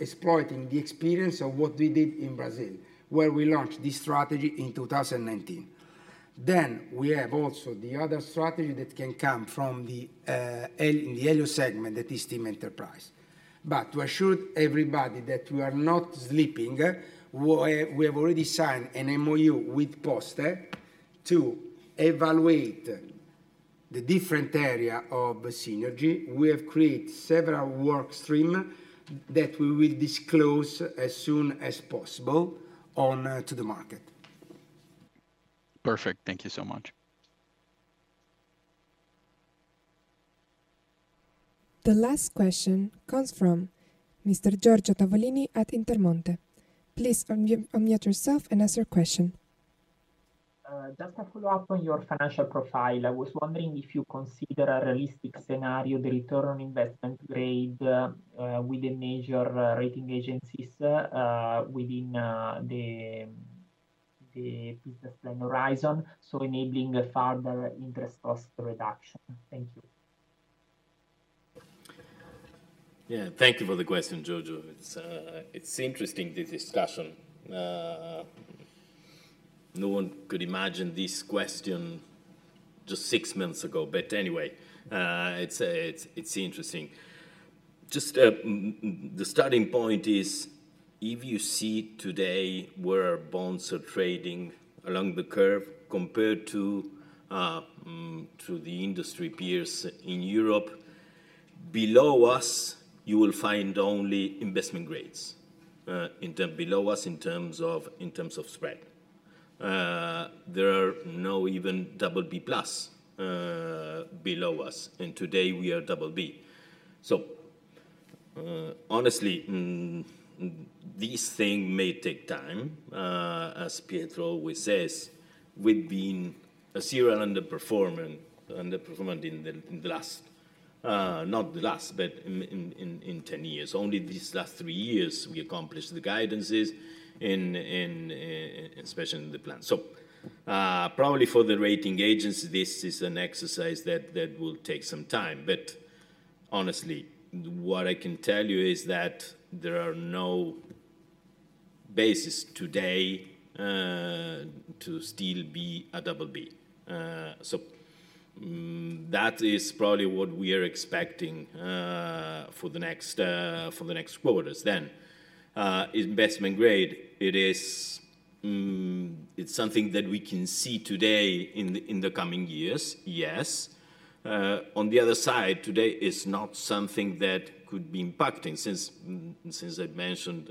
Speaker 3: exploiting the experience of what we did in Brazil, where we launched this strategy in 2019. We have also the other strategy that can come from the Elio segment that is TIM Enterprise. To assure everybody that we are not sleeping, we have already signed an MOU with Poste to evaluate the different area of synergy. We have created several work streams that we will disclose as soon as possible to the market.
Speaker 16: Perfect. Thank you so much.
Speaker 1: The last question comes from Mr. Giorgio Tavolini at Intermonte. Please unmute yourself and ask your question.
Speaker 9: Just a follow-up on your financial profile. I was wondering if you consider a realistic scenario, the return on investment grade with the major rating agencies within the business plan horizon, so enabling a farther interest cost reduction. Thank you.
Speaker 4: Yeah. Thank you for the question, Giorgio. It's interesting, this discussion. No one could imagine this question just six months ago, but anyway, it's interesting. Just the starting point is, if you see today where bonds are trading along the curve compared to the industry peers in Europe, below us, you will find only investment grades below us in terms of spread. There are no even BB+ below us. And today, we are BB. So honestly, this thing may take time, as Pietro always says, with being a serial underperformer in the last, not the last, but in 10 years. Only these last three years, we accomplished the guidances and especially in the plan. So probably for the rating agency, this is an exercise that will take some time. Honestly, what I can tell you is that there are no bases today to still be a BB. That is probably what we are expecting for the next quarters. Investment grade, it's something that we can see today in the coming years, yes. On the other side, today is not something that could be impacting since I mentioned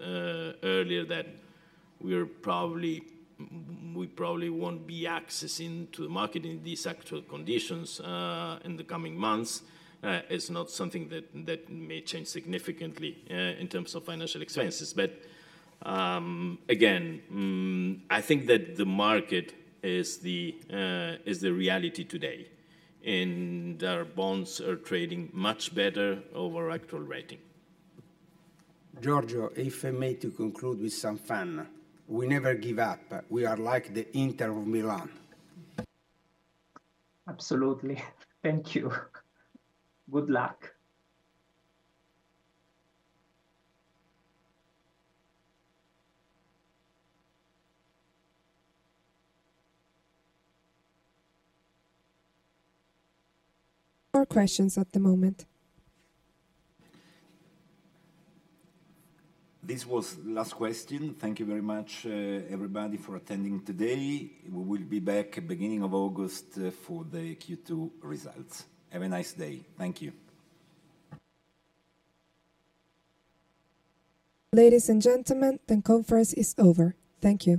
Speaker 4: earlier that we probably won't be accessing to the market in these actual conditions in the coming months. It's not something that may change significantly in terms of financial expenses. Again, I think that the market is the reality today, and our bonds are trading much better over actual rating.
Speaker 3: Giorgio, if I may conclude with some fun, we never give up. We are like the Inter of Milan.
Speaker 9: Absolutely. Thank you. Good luck.
Speaker 1: No more questions at the moment.
Speaker 3: This was the last question. Thank you very much, everybody, for attending today. We will be back at the beginning of August for the Q2 results. Have a nice day. Thank you.
Speaker 1: Ladies and gentlemen, the conference is over. Thank you.